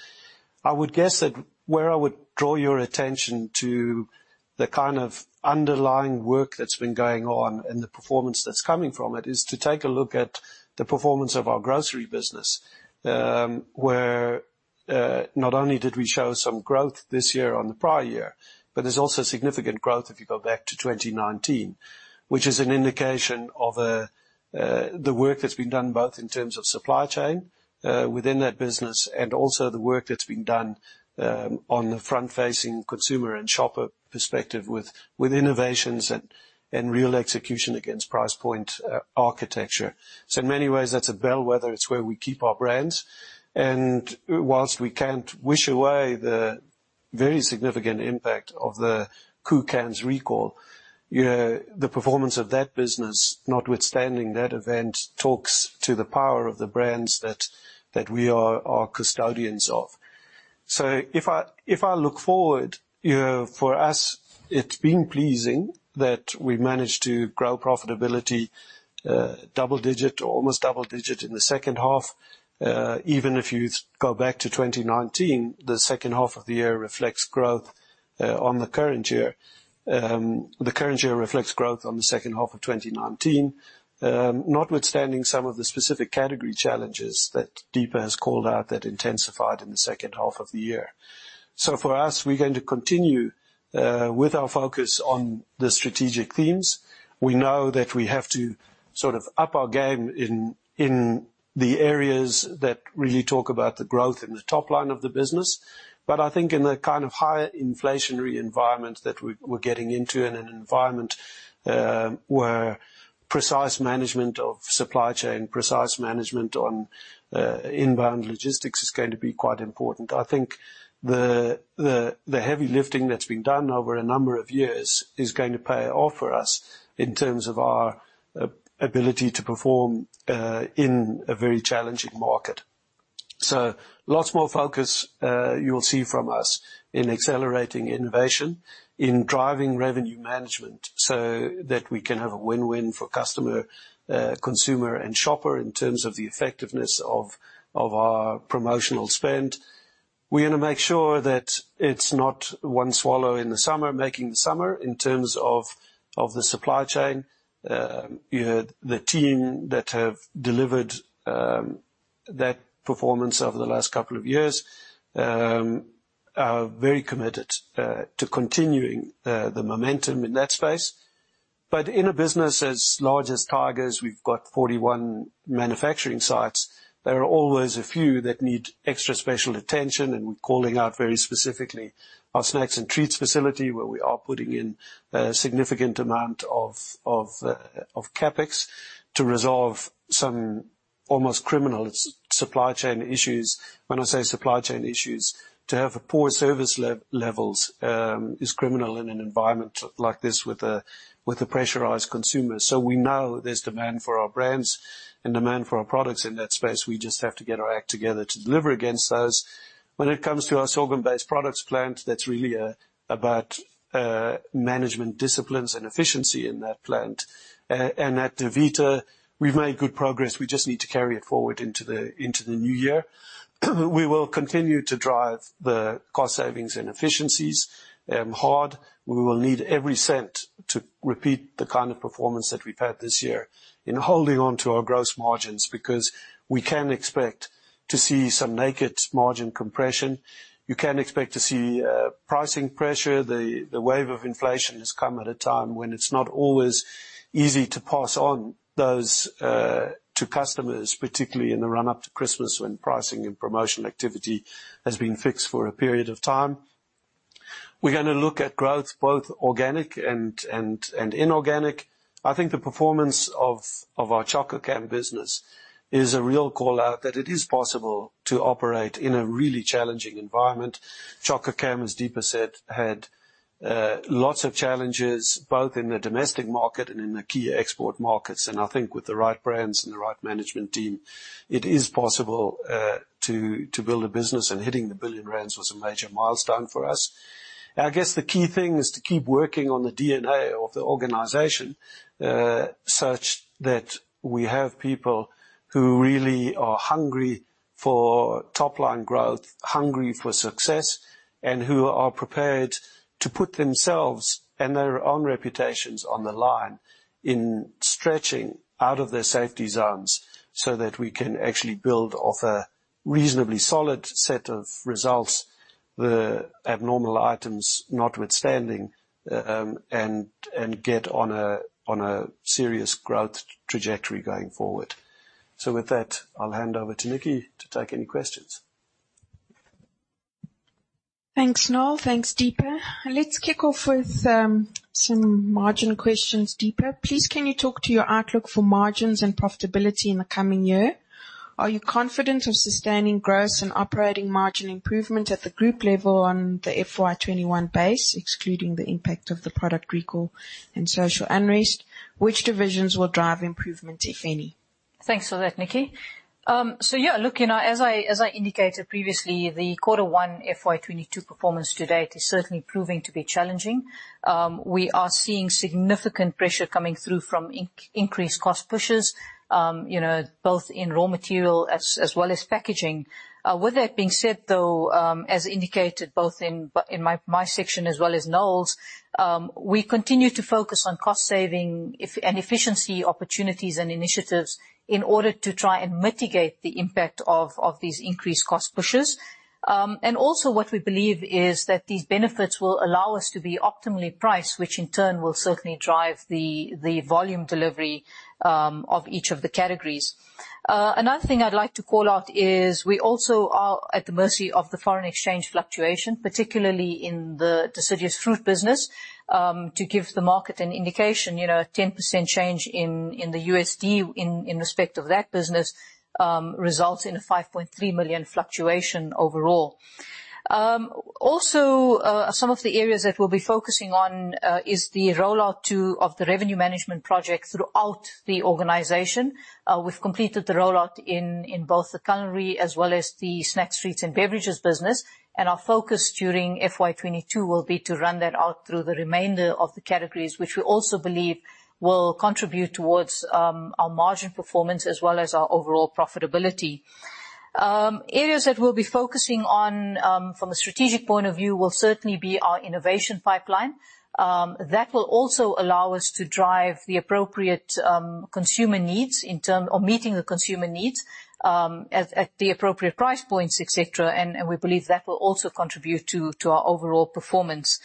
I would guess that where I would draw your attention to the kind of underlying work that's been going on and the performance that's coming from it is to take a look at the performance of our Grocery business, where not only did we show some growth this year on the prior year, but there's also significant growth if you go back to 2019. Which is an indication of the work that's been done both in terms of supply chain within that business and also the work that's being done on the front-facing consumer and shopper perspective with innovations and real execution against price point architecture. In many ways, that's a bellwether. It's where we keep our brands. Whilst we can't wish away the very significant impact of the Koo cans recall, the performance of that business, notwithstanding that event, talks to the power of the brands that we are custodians of. If I look forward, for us, it's been pleasing that we managed to grow profitability double-digit or almost double-digit in the second half. Even if you go back to 2019, the second half of the year reflects growth on the current year. The current year reflects growth on the second half of 2019, notwithstanding some of the specific category challenges that Deepa has called out that intensified in the second half of the year. For us, we're going to continue with our focus on the strategic themes. We know that we have to sort of up our game in the areas that really talk about the growth in the top line of the business. I think in the kind of higher inflationary environment that we're getting into, in an environment where precise management of supply chain, precise management on inbound logistics is going to be quite important. I think the heavy lifting that's been done over a number of years is going to pay off for us in terms of our ability to perform in a very challenging market. Lots more focus, you'll see from us in accelerating innovation, in driving revenue management so that we can have a win-win for customer, consumer and shopper in terms of the effectiveness of our promotional spend. We're gonna make sure that one swallow does not make a summer in terms of the supply chain. You know, the team that have delivered that performance over the last couple of years are very committed to continuing the momentum in that space. In a business as large as Tiger's, we've got 41 manufacturing sites. There are always a few that need extra special attention, and we're calling out very specifically our Snacks and Treats facility, where we are putting in a significant amount of CapEx to resolve some almost criminal supply chain issues. When I say supply chain issues, to have poor service levels is criminal in an environment like this with a pressurized consumer. We know there's demand for our brands and demand for our products in that space. We just have to get our act together to deliver against those. When it comes to our sorghum-based products plant, that's really about management disciplines and efficiency in that plant. At Davita, we've made good progress. We just need to carry it forward into the new year. We will continue to drive the cost savings and efficiencies hard. We will need every cent to repeat the kind of performance that we've had this year in holding on to our gross margins, because we can expect to see some naked margin compression. You can expect to see pricing pressure. The wave of inflation has come at a time when it's not always easy to pass on those to customers, particularly in the run-up to Christmas when pricing and promotional activity has been fixed for a period of time. We're gonna look at growth, both organic and inorganic. I think the performance of our Chococam business is a real call-out that it is possible to operate in a really challenging environment. Chococam, as Deepa said, had lots of challenges, both in the domestic market and in the key export markets. I think with the right brands and the right management team, it is possible to build a business, and hitting 1 billion rand was a major milestone for us. I guess the key thing is to keep working on the DNA of the organization, such that we have people who really are hungry for top-line growth, hungry for success, and who are prepared to put themselves and their own reputations on the line in stretching out of their safety zones so that we can actually build off a reasonably solid set of results, the abnormal items notwithstanding, and get on a serious growth trajectory going forward. With that, I'll hand over to Nikki to take any questions. Thanks, Noel. Thanks, Deepa. Let's kick off with some margin questions, Deepa. Please, can you talk to your outlook for margins and profitability in the coming year? Are you confident of sustaining gross and operating margin improvement at the group level on the FY 2021 base, excluding the impact of the product recall and social unrest? Which divisions will drive improvement, if any? Thanks for that, Nikki. So yeah, look, you know, as I indicated previously, the quarter one FY 2022 performance to date is certainly proving to be challenging. We are seeing significant pressure coming through from increased cost pushes, you know, both in raw material as well as packaging. With that being said, though, as indicated both in my section as well as Noel's, we continue to focus on cost saving initiatives and efficiency opportunities and initiatives in order to try and mitigate the impact of these increased cost pushes. What we believe is that these benefits will allow us to be optimally priced, which in turn will certainly drive the volume delivery of each of the categories. Another thing I'd like to call out is we also are at the mercy of the foreign exchange fluctuation, particularly in the Deciduous Fruit business. To give the market an indication, you know, a 10% change in the USD in respect of that business results in a 5.3 million fluctuation overall. Also, some of the areas that we'll be focusing on is the rollout of the revenue management project throughout the organization. We've completed the rollout in both the culinary as well as Snacks and Treats and Beverages business. Our focus during FY 2022 will be to run that out through the remainder of the categories, which we also believe will contribute towards our margin performance as well as our overall profitability. Areas that we'll be focusing on from a strategic point of view will certainly be our innovation pipeline. That will also allow us to drive the appropriate consumer needs or meeting the consumer needs at the appropriate price points, et cetera. We believe that will also contribute to our overall performance.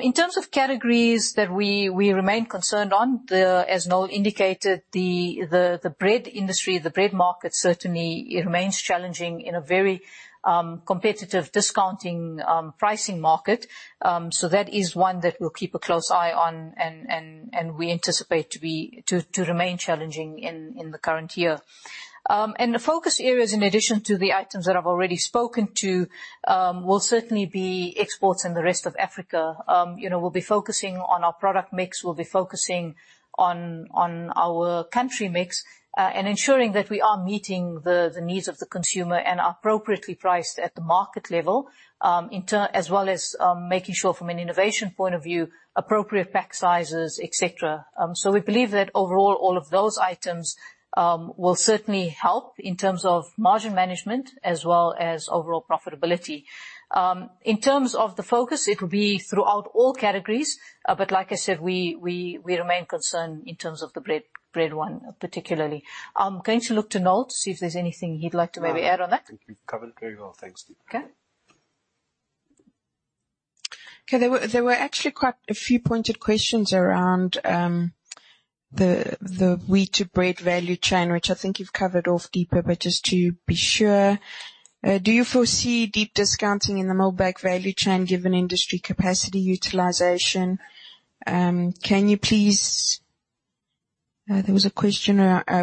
In terms of categories that we remain concerned on, as Noel indicated, the bread industry, the bread market certainly remains challenging in a very competitive discounting pricing market. That is one that we'll keep a close eye on and we anticipate to remain challenging in the current year. The focus areas in addition to the items that I've already spoken to will certainly be exports in the rest of Africa. You know, we'll be focusing on our product mix. We'll be focusing on our country mix and ensuring that we are meeting the needs of the consumer and are appropriately priced at the market level, as well as making sure from an innovation point of view, appropriate pack sizes, et cetera. We believe that overall all of those items will certainly help in terms of margin management as well as overall profitability. In terms of the focus, it will be throughout all categories. Like I said, we remain concerned in terms of the bread one particularly. I'm going to look to Noel to see if there's anything he'd like to maybe add on that? No, I think you've covered very well. Thanks, Deepa. Okay. Okay. There were actually quite a few pointed questions around the wheat to bread value chain, which I think you've covered off, Deepa, but just to be sure. Do you foresee deep discounting in the mill bake value chain given industry capacity utilization? There was a question,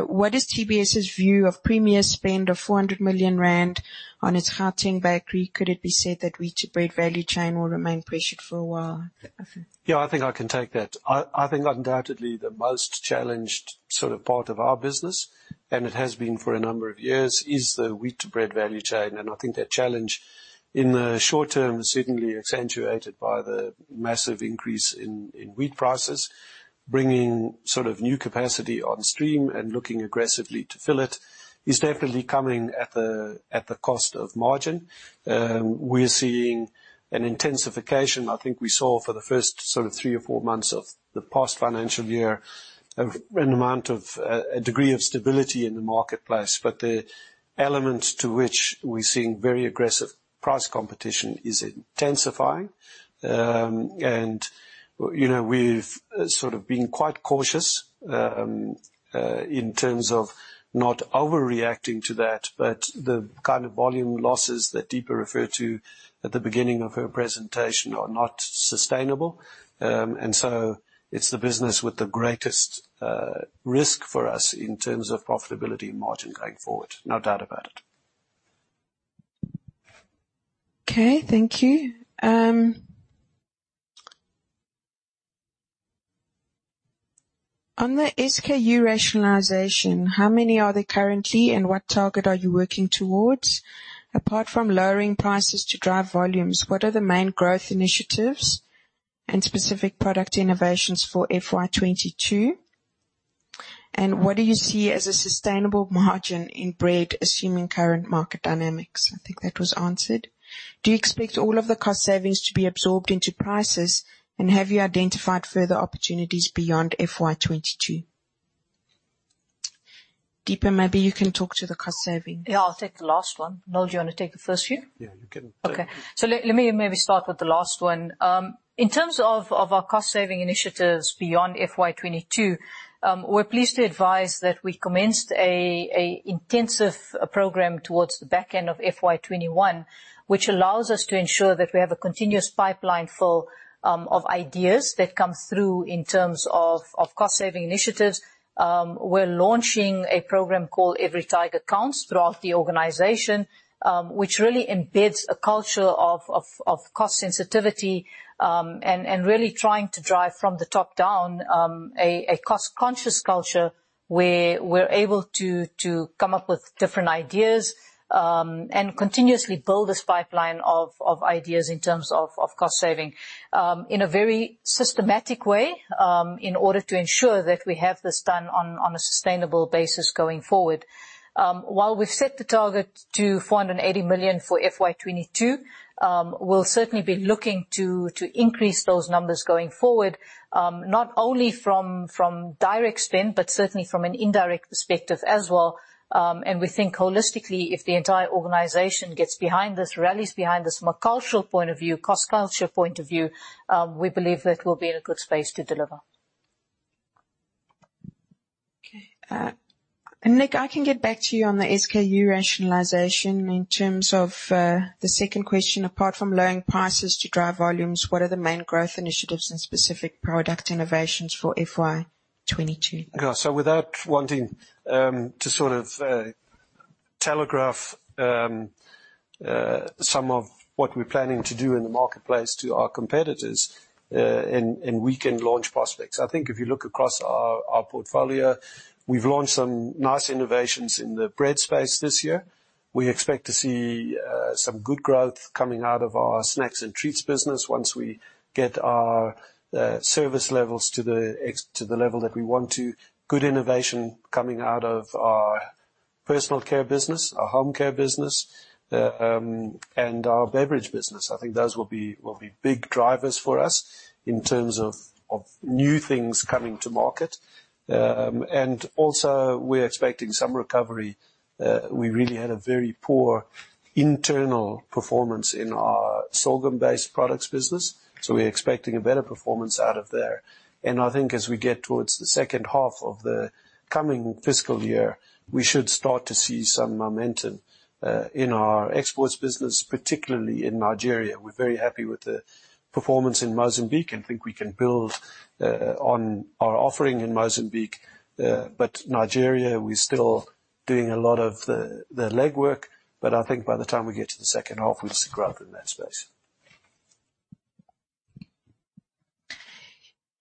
what is TBS's view of Premier spend of 400 million rand on its Gauteng bakery? Could it be said that wheat to bread value chain will remain pressured for a while? Yeah, I think I can take that. I think undoubtedly the most challenged sort of part of our business, and it has been for a number of years, is the wheat to bread value chain. I think that challenge in the short term is certainly accentuated by the massive increase in wheat prices. Bringing sort of new capacity on stream and looking aggressively to fill it is definitely coming at the cost of margin. We're seeing an intensification. I think we saw for the first sort of three or four months of the past financial year of an amount of a degree of stability in the marketplace. But the element to which we're seeing very aggressive price competition is intensifying. You know, we've sort of been quite cautious in terms of not overreacting to that. The kind of volume losses that Deepa referred to at the beginning of her presentation are not sustainable. It's the business with the greatest risk for us in terms of profitability and margin going forward. No doubt about it. Okay, thank you. On the SKU rationalization, how many are there currently, and what target are you working towards? Apart from lowering prices to drive volumes, what are the main growth initiatives and specific product innovations for FY 2022? And what do you see as a sustainable margin in bread, assuming current market dynamics? I think that was answered. Do you expect all of the cost savings to be absorbed into prices, and have you identified further opportunities beyond FY 2022? Deepa, maybe you can talk to the cost savings? Yeah, I'll take the last one. Noel, do you wanna take the first few? Yeah, you can. Let me maybe start with the last one. In terms of our cost-saving initiatives beyond FY 2022, we're pleased to advise that we commenced an intensive program towards the back end of FY 2021, which allows us to ensure that we have a continuous full pipeline of ideas that come through in terms of cost-saving initiatives. We're launching a program called Every Tiger Counts throughout the organization, which really embeds a culture of cost sensitivity, and really trying to drive from the top down, a cost-conscious culture where we're able to come up with different ideas, and continuously build this pipeline of ideas in terms of cost saving, in a very systematic way, in order to ensure that we have this done on a sustainable basis going forward. While we've set the target to 480 million for FY 2022, we'll certainly be looking to increase those numbers going forward, not only from direct spend, but certainly from an indirect perspective as well. We think holistically, if the entire organization gets behind this, rallies behind this from a cultural point of view, cost culture point of view, we believe that we'll be in a good space to deliver. Okay. [Nick], I can get back to you on the SKU rationalization in terms of the second question. Apart from lowering prices to drive volumes, what are the main growth initiatives and specific product innovations for FY 2022? Yeah. Without wanting to sort of telegraph some of what we're planning to do in the marketplace to our competitors and weaken launch prospects, I think if you look across our portfolio, we've launched some nice innovations in the bread space this year. We expect to see some good growth coming out of our Snacks and Treats business once we get our service levels to the level that we want to. Good innovation coming out of our Personal Care business, our Home Care business and our Beverage business. I think those will be big drivers for us in terms of new things coming to market. We're expecting some recovery. We really had a very poor internal performance in our sorghum-based products business, so we're expecting a better performance out of there. I think as we get towards the second half of the coming fiscal year, we should start to see some momentum in our Exports business, particularly in Nigeria. We're very happy with the performance in Mozambique and think we can build on our offering in Mozambique. Nigeria, we're still doing a lot of the legwork, but I think by the time we get to the second half, we'll see growth in that space.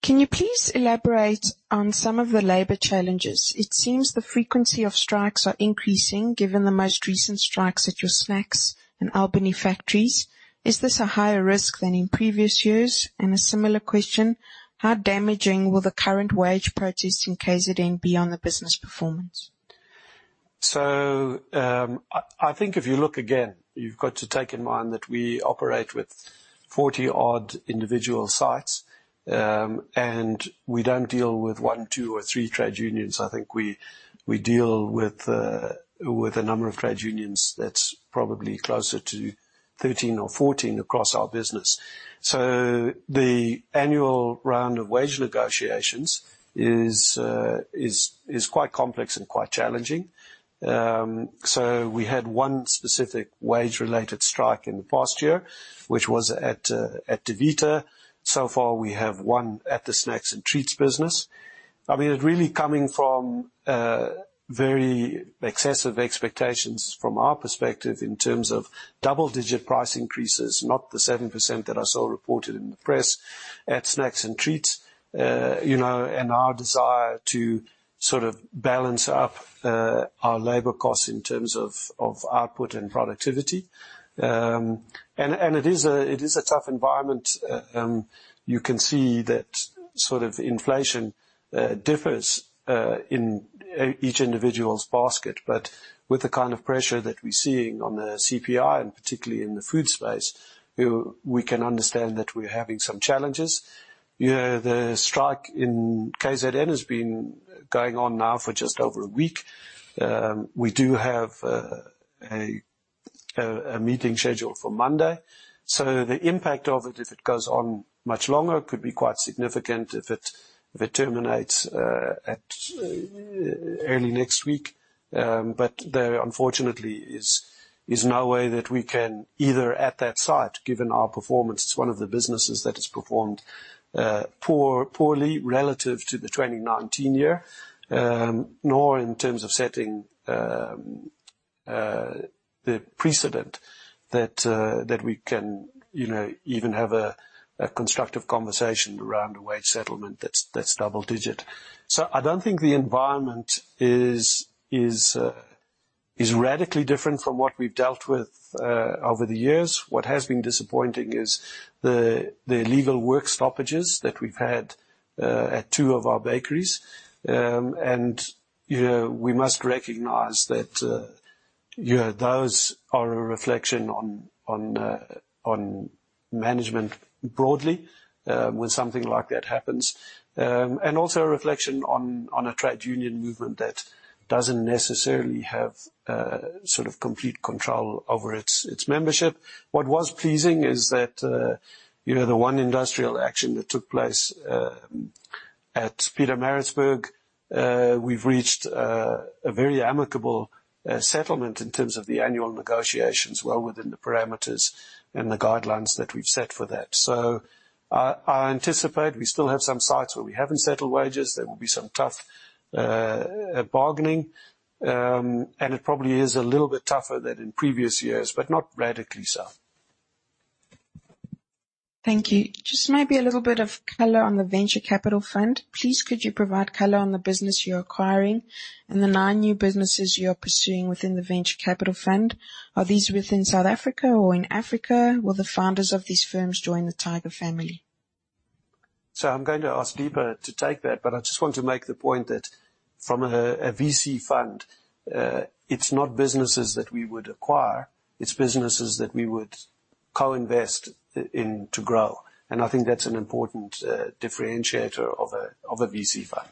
Can you please elaborate on some of the labor challenges? It seems the frequency of strikes are increasing given the most recent strikes at your Snacks and Albany factories. Is this a higher risk than in previous years? A similar question, how damaging will the current wage protest in KZN be on the business performance? I think if you look, again, you've got to take in mind that we operate with 40-odd individual sites, and we don't deal with one, two or three trade unions. I think we deal with a number of trade unions that's probably closer to 13 or 14 across our business. The annual round of wage negotiations is quite complex and quite challenging. We had one specific wage-related strike in the past year, which was at Davita. So far, we have one at the Snacks and Treats business. I mean, it's really coming from very excessive expectations from our perspective in terms of double-digit price increases, not the 7% that I saw reported in the press at Snacks and Treats. You know, our desire to sort of balance up our labor costs in terms of output and productivity. It is a tough environment. You can see that sort of inflation differs in each individual's basket. With the kind of pressure that we're seeing on the CPI and particularly in the food space, we can understand that we're having some challenges. You know, the strike in KZN has been going on now for just over a week. We do have a meeting scheduled for Monday. The impact of it, if it goes on much longer, could be quite significant if it terminates early next week. There unfortunately is no way that we can either at that site, given our performance, it's one of the businesses that has performed poorly relative to the 2019 year, nor in terms of setting the precedent that we can, you know, even have a constructive conversation around a wage settlement that's double-digit. I don't think the environment is radically different from what we've dealt with over the years. What has been disappointing is the illegal work stoppages that we've had at two of our bakeries. You know, we must recognize that, you know, those are a reflection on management broadly when something like that happens. Also a reflection on a trade union movement that doesn't necessarily have sort of complete control over its membership. What was pleasing is that, you know, the one industrial action that took place at Pietermaritzburg, we've reached a very amicable settlement in terms of the annual negotiations well within the parameters and the guidelines that we've set for that. I anticipate we still have some sites where we haven't settled wages. There will be some tough bargaining. It probably is a little bit tougher than in previous years, but not radically so. Thank you. Just maybe a little bit of color on the Venture Capital Fund. Please, could you provide color on the business you're acquiring and the nine new businesses you're pursuing within the Venture Capital Fund? Are these within South Africa or in Africa? Will the founders of these firms join the Tiger family? I'm going to ask Deepa to take that, but I just want to make the point that from a VC Fund, it's not businesses that we would acquire, it's businesses that we would co-invest in to grow. I think that's an important differentiator of a VC Fund.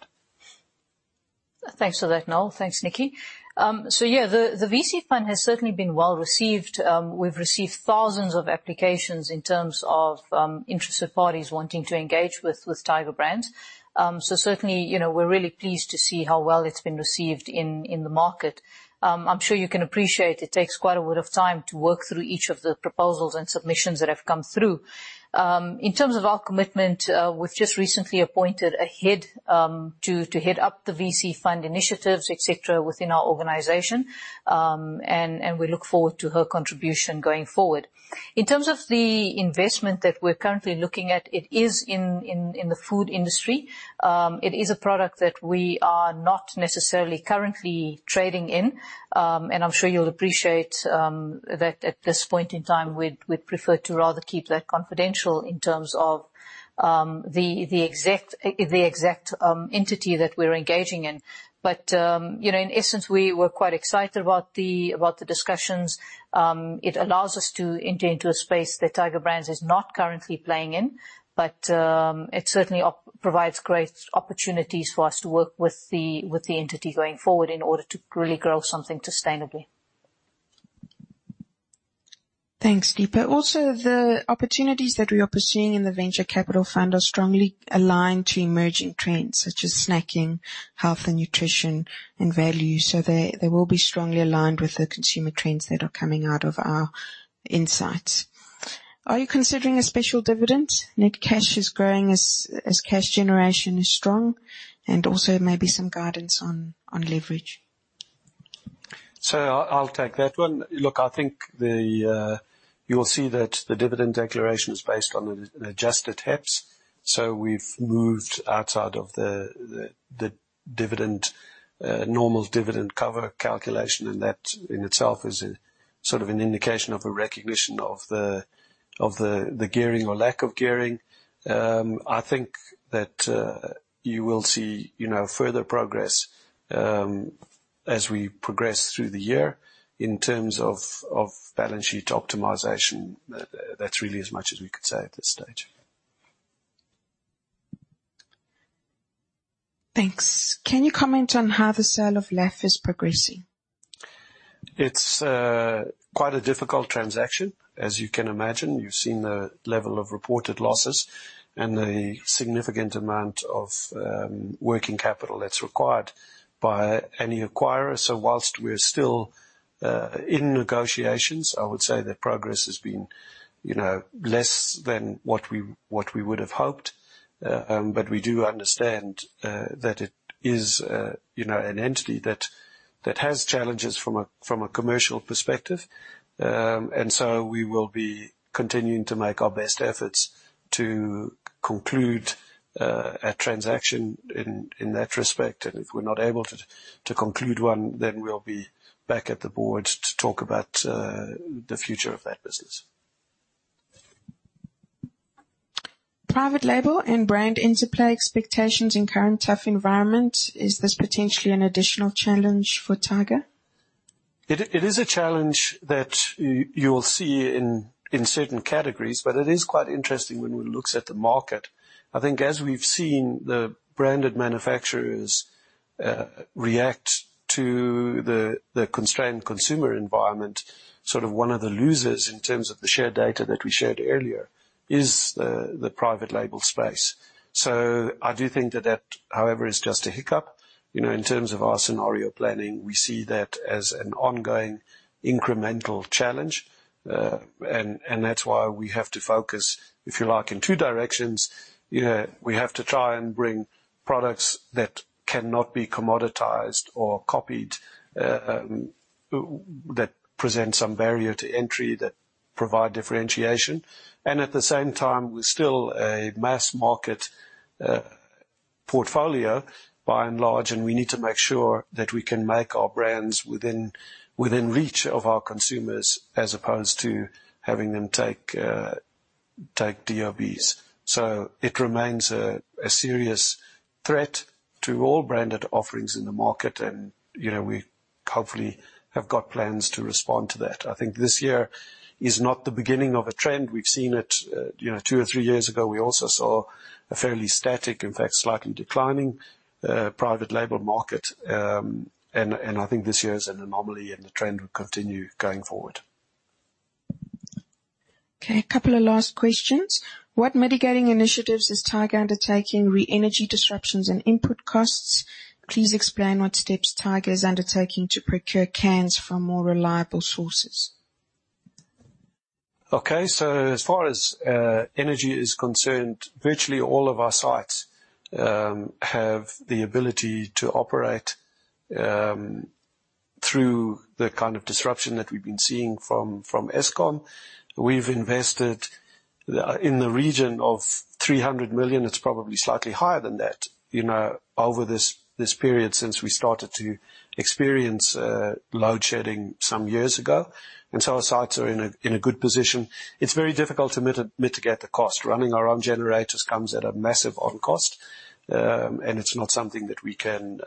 Thanks for that, Noel. Thanks, Nikki. Yeah, the VC Fund has certainly been well received. We've received thousands of applications in terms of interested parties wanting to engage with Tiger Brands. Certainly, you know, we're really pleased to see how well it's been received in the market. I'm sure you can appreciate it takes quite a bit of time to work through each of the proposals and submissions that have come through. In terms of our commitment, we've just recently appointed a head to head up the VC Fund initiatives, et cetera, within our organization. We look forward to her contribution going forward. In terms of the investment that we're currently looking at, it is in the food industry. It is a product that we are not necessarily currently trading in. I'm sure you'll appreciate that at this point in time, we'd prefer to rather keep that confidential in terms of the exact entity that we're engaging in. You know, in essence, we were quite excited about the discussions. It allows us to enter into a space that Tiger Brands is not currently playing in, but it certainly provides great opportunities for us to work with the entity going forward in order to really grow something sustainably. Thanks, Deepa. Also, the opportunities that we are pursuing in the Venture Capital Fund are strongly aligned to emerging trends such as snacking, health and nutrition and value. They will be strongly aligned with the consumer trends that are coming out of our insights. Are you considering a special dividend? Net cash is growing as cash generation is strong and also maybe some guidance on leverage? I'll take that one. Look, I think you'll see that the dividend declaration is based on adjusted HEPS. We've moved outside of the dividend normal dividend cover calculation, and that in itself is sort of an indication of a recognition of the gearing or lack of gearing. I think that you will see, you know, further progress as we progress through the year in terms of balance sheet optimization. That's really as much as we could say at this stage. Thanks. Can you comment on how the sale of LAF is progressing? It's quite a difficult transaction, as you can imagine. You've seen the level of reported losses and the significant amount of working capital that's required by any acquirer. While we're still in negotiations, I would say that progress has been, you know, less than what we would have hoped. We do understand that it is, you know, an entity that has challenges from a commercial perspective. We will be continuing to make our best efforts to conclude a transaction in that respect. If we're not able to conclude one, then we'll be back at the board to talk about the future of that business. Private label and brand interplay expectations in current tough environment, is this potentially an additional challenge for Tiger? It is a challenge that you will see in certain categories, but it is quite interesting when one looks at the market. I think as we've seen the branded manufacturers react to the constrained consumer environment, sort of one of the losers in terms of the share data that we shared earlier is the private label space. I do think that, however, is just a hiccup. You know, in terms of our scenario planning, we see that as an ongoing incremental challenge. That's why we have to focus, if you like, in two directions. You know, we have to try and bring products that cannot be commoditized or copied, that present some barrier to entry that provide differentiation. At the same time, we're still a mass market portfolio by and large, and we need to make sure that we can make our brands within reach of our consumers as opposed to having them take DOBs. It remains a serious threat to all branded offerings in the market and, you know, we hopefully have got plans to respond to that. I think this year is not the beginning of a trend. We've seen it, you know, two or three years ago. We also saw a fairly static, in fact, slightly declining private label market. I think this year is an anomaly and the trend will continue going forward. Okay, a couple of last questions. What mitigating initiatives is Tiger undertaking re energy disruptions and input costs? Please explain what steps Tiger is undertaking to procure cans from more reliable sources. Okay. As far as energy is concerned, virtually all of our sites have the ability to operate through the kind of disruption that we've been seeing from Eskom. We've invested in the region of 300 million. It's probably slightly higher than that, you know, over this period since we started to experience load shedding some years ago. Our sites are in a good position. It's very difficult to mitigate the cost. Running our own generators comes at a massive on cost, and it's not something that we can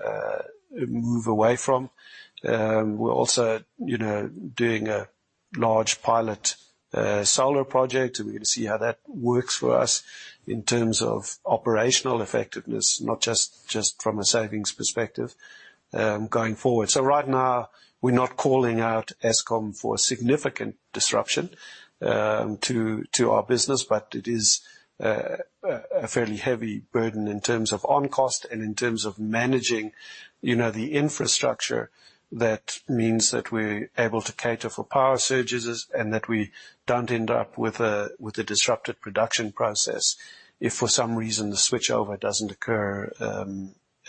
move away from. We're also, you know, doing a large pilot solar project. We're gonna see how that works for us in terms of operational effectiveness, not just from a savings perspective, going forward. Right now, we're not calling out Eskom for significant disruption to our business, but it is a fairly heavy burden in terms of on-cost and in terms of managing, you know, the infrastructure. That means that we're able to cater for power surges and that we don't end up with a disrupted production process if for some reason the switchover doesn't occur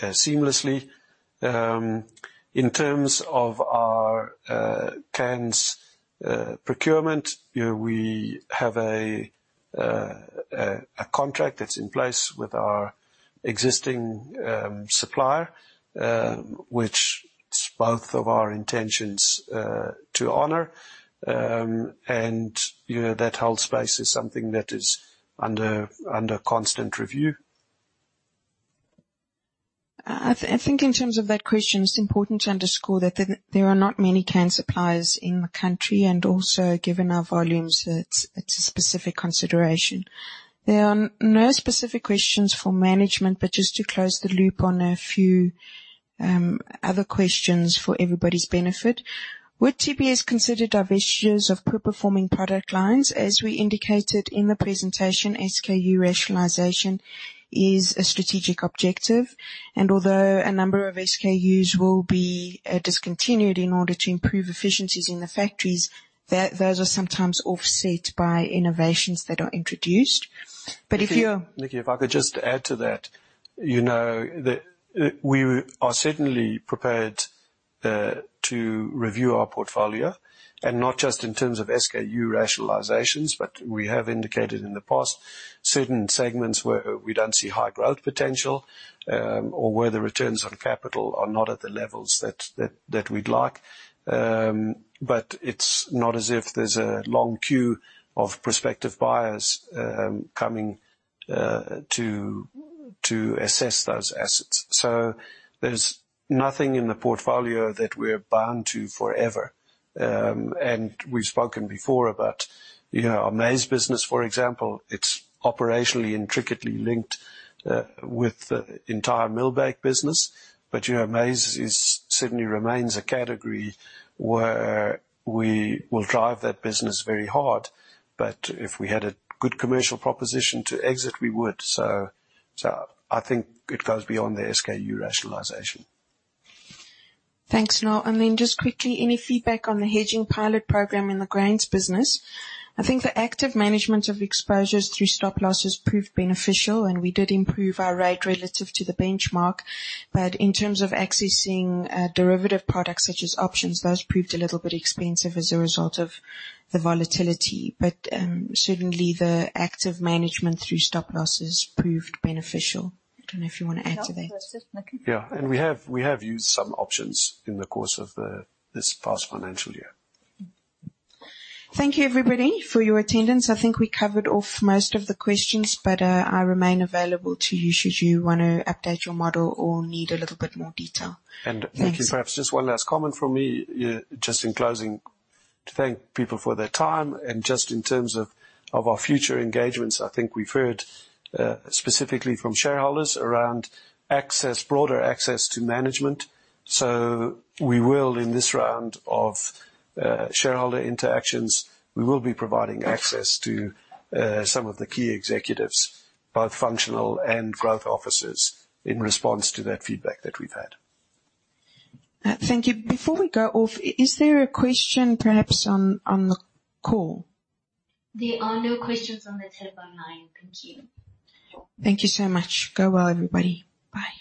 seamlessly. In terms of our cans procurement, you know, we have a contract that's in place with our existing supplier, which it's both of our intentions to honor. You know, that whole space is something that is under constant review. I think in terms of that question, it's important to underscore that there are not many can suppliers in the country, and also given our volumes, it's a specific consideration. There are no specific questions for management, but just to close the loop on a few other questions for everybody's benefit. Would TBS consider divestitures of poor performing product lines? As we indicated in the presentation, SKU rationalization is a strategic objective, and although a number of SKUs will be discontinued in order to improve efficiencies in the factories, those are sometimes offset by innovations that are introduced. If you're- Nikki, if I could just add to that? You know, we are certainly prepared to review our portfolio and not just in terms of SKU rationalizations, but we have indicated in the past certain segments where we don't see high growth potential, or where the returns on capital are not at the levels that we'd like. It's not as if there's a long queue of prospective buyers coming to assess those assets. There's nothing in the portfolio that we're bound to forever. We've spoken before about, you know, our Maize business, for example. It's operationally intricately linked with the entire Mill and Baking business. You know, Maize certainly remains a category where we will drive that business very hard. If we had a good commercial proposition to exit, we would. I think it goes beyond the SKU rationalization. Thanks. Now and then just quickly, any feedback on the hedging pilot program in the Grains business? I think the active management of exposures through stop-loss has proved beneficial, and we did improve our rate relative to the benchmark. In terms of accessing derivative products such as options, those proved a little bit expensive as a result of the volatility. Certainly the active management through stop-loss has proved beneficial. I don't know if you wanna add to that? We have used some options in the course of this past financial year. Thank you, everybody, for your attendance. I think we covered off most of the questions, but I remain available to you should you wanna update your model or need a little bit more detail. Nikki. Thanks. Perhaps just one last comment from me. Yeah, just in closing to thank people for their time and just in terms of our future engagements. I think we've heard specifically from shareholders around access, broader access to management. We will, in this round of shareholder interactions, be providing access to some of the key executives, both functional and growth officers, in response to that feedback that we've had. Thank you. Before we go off, is there a question perhaps on the call? There are no questions on the telephone line. Thank you. Thank you so much. Go well, everybody. Bye.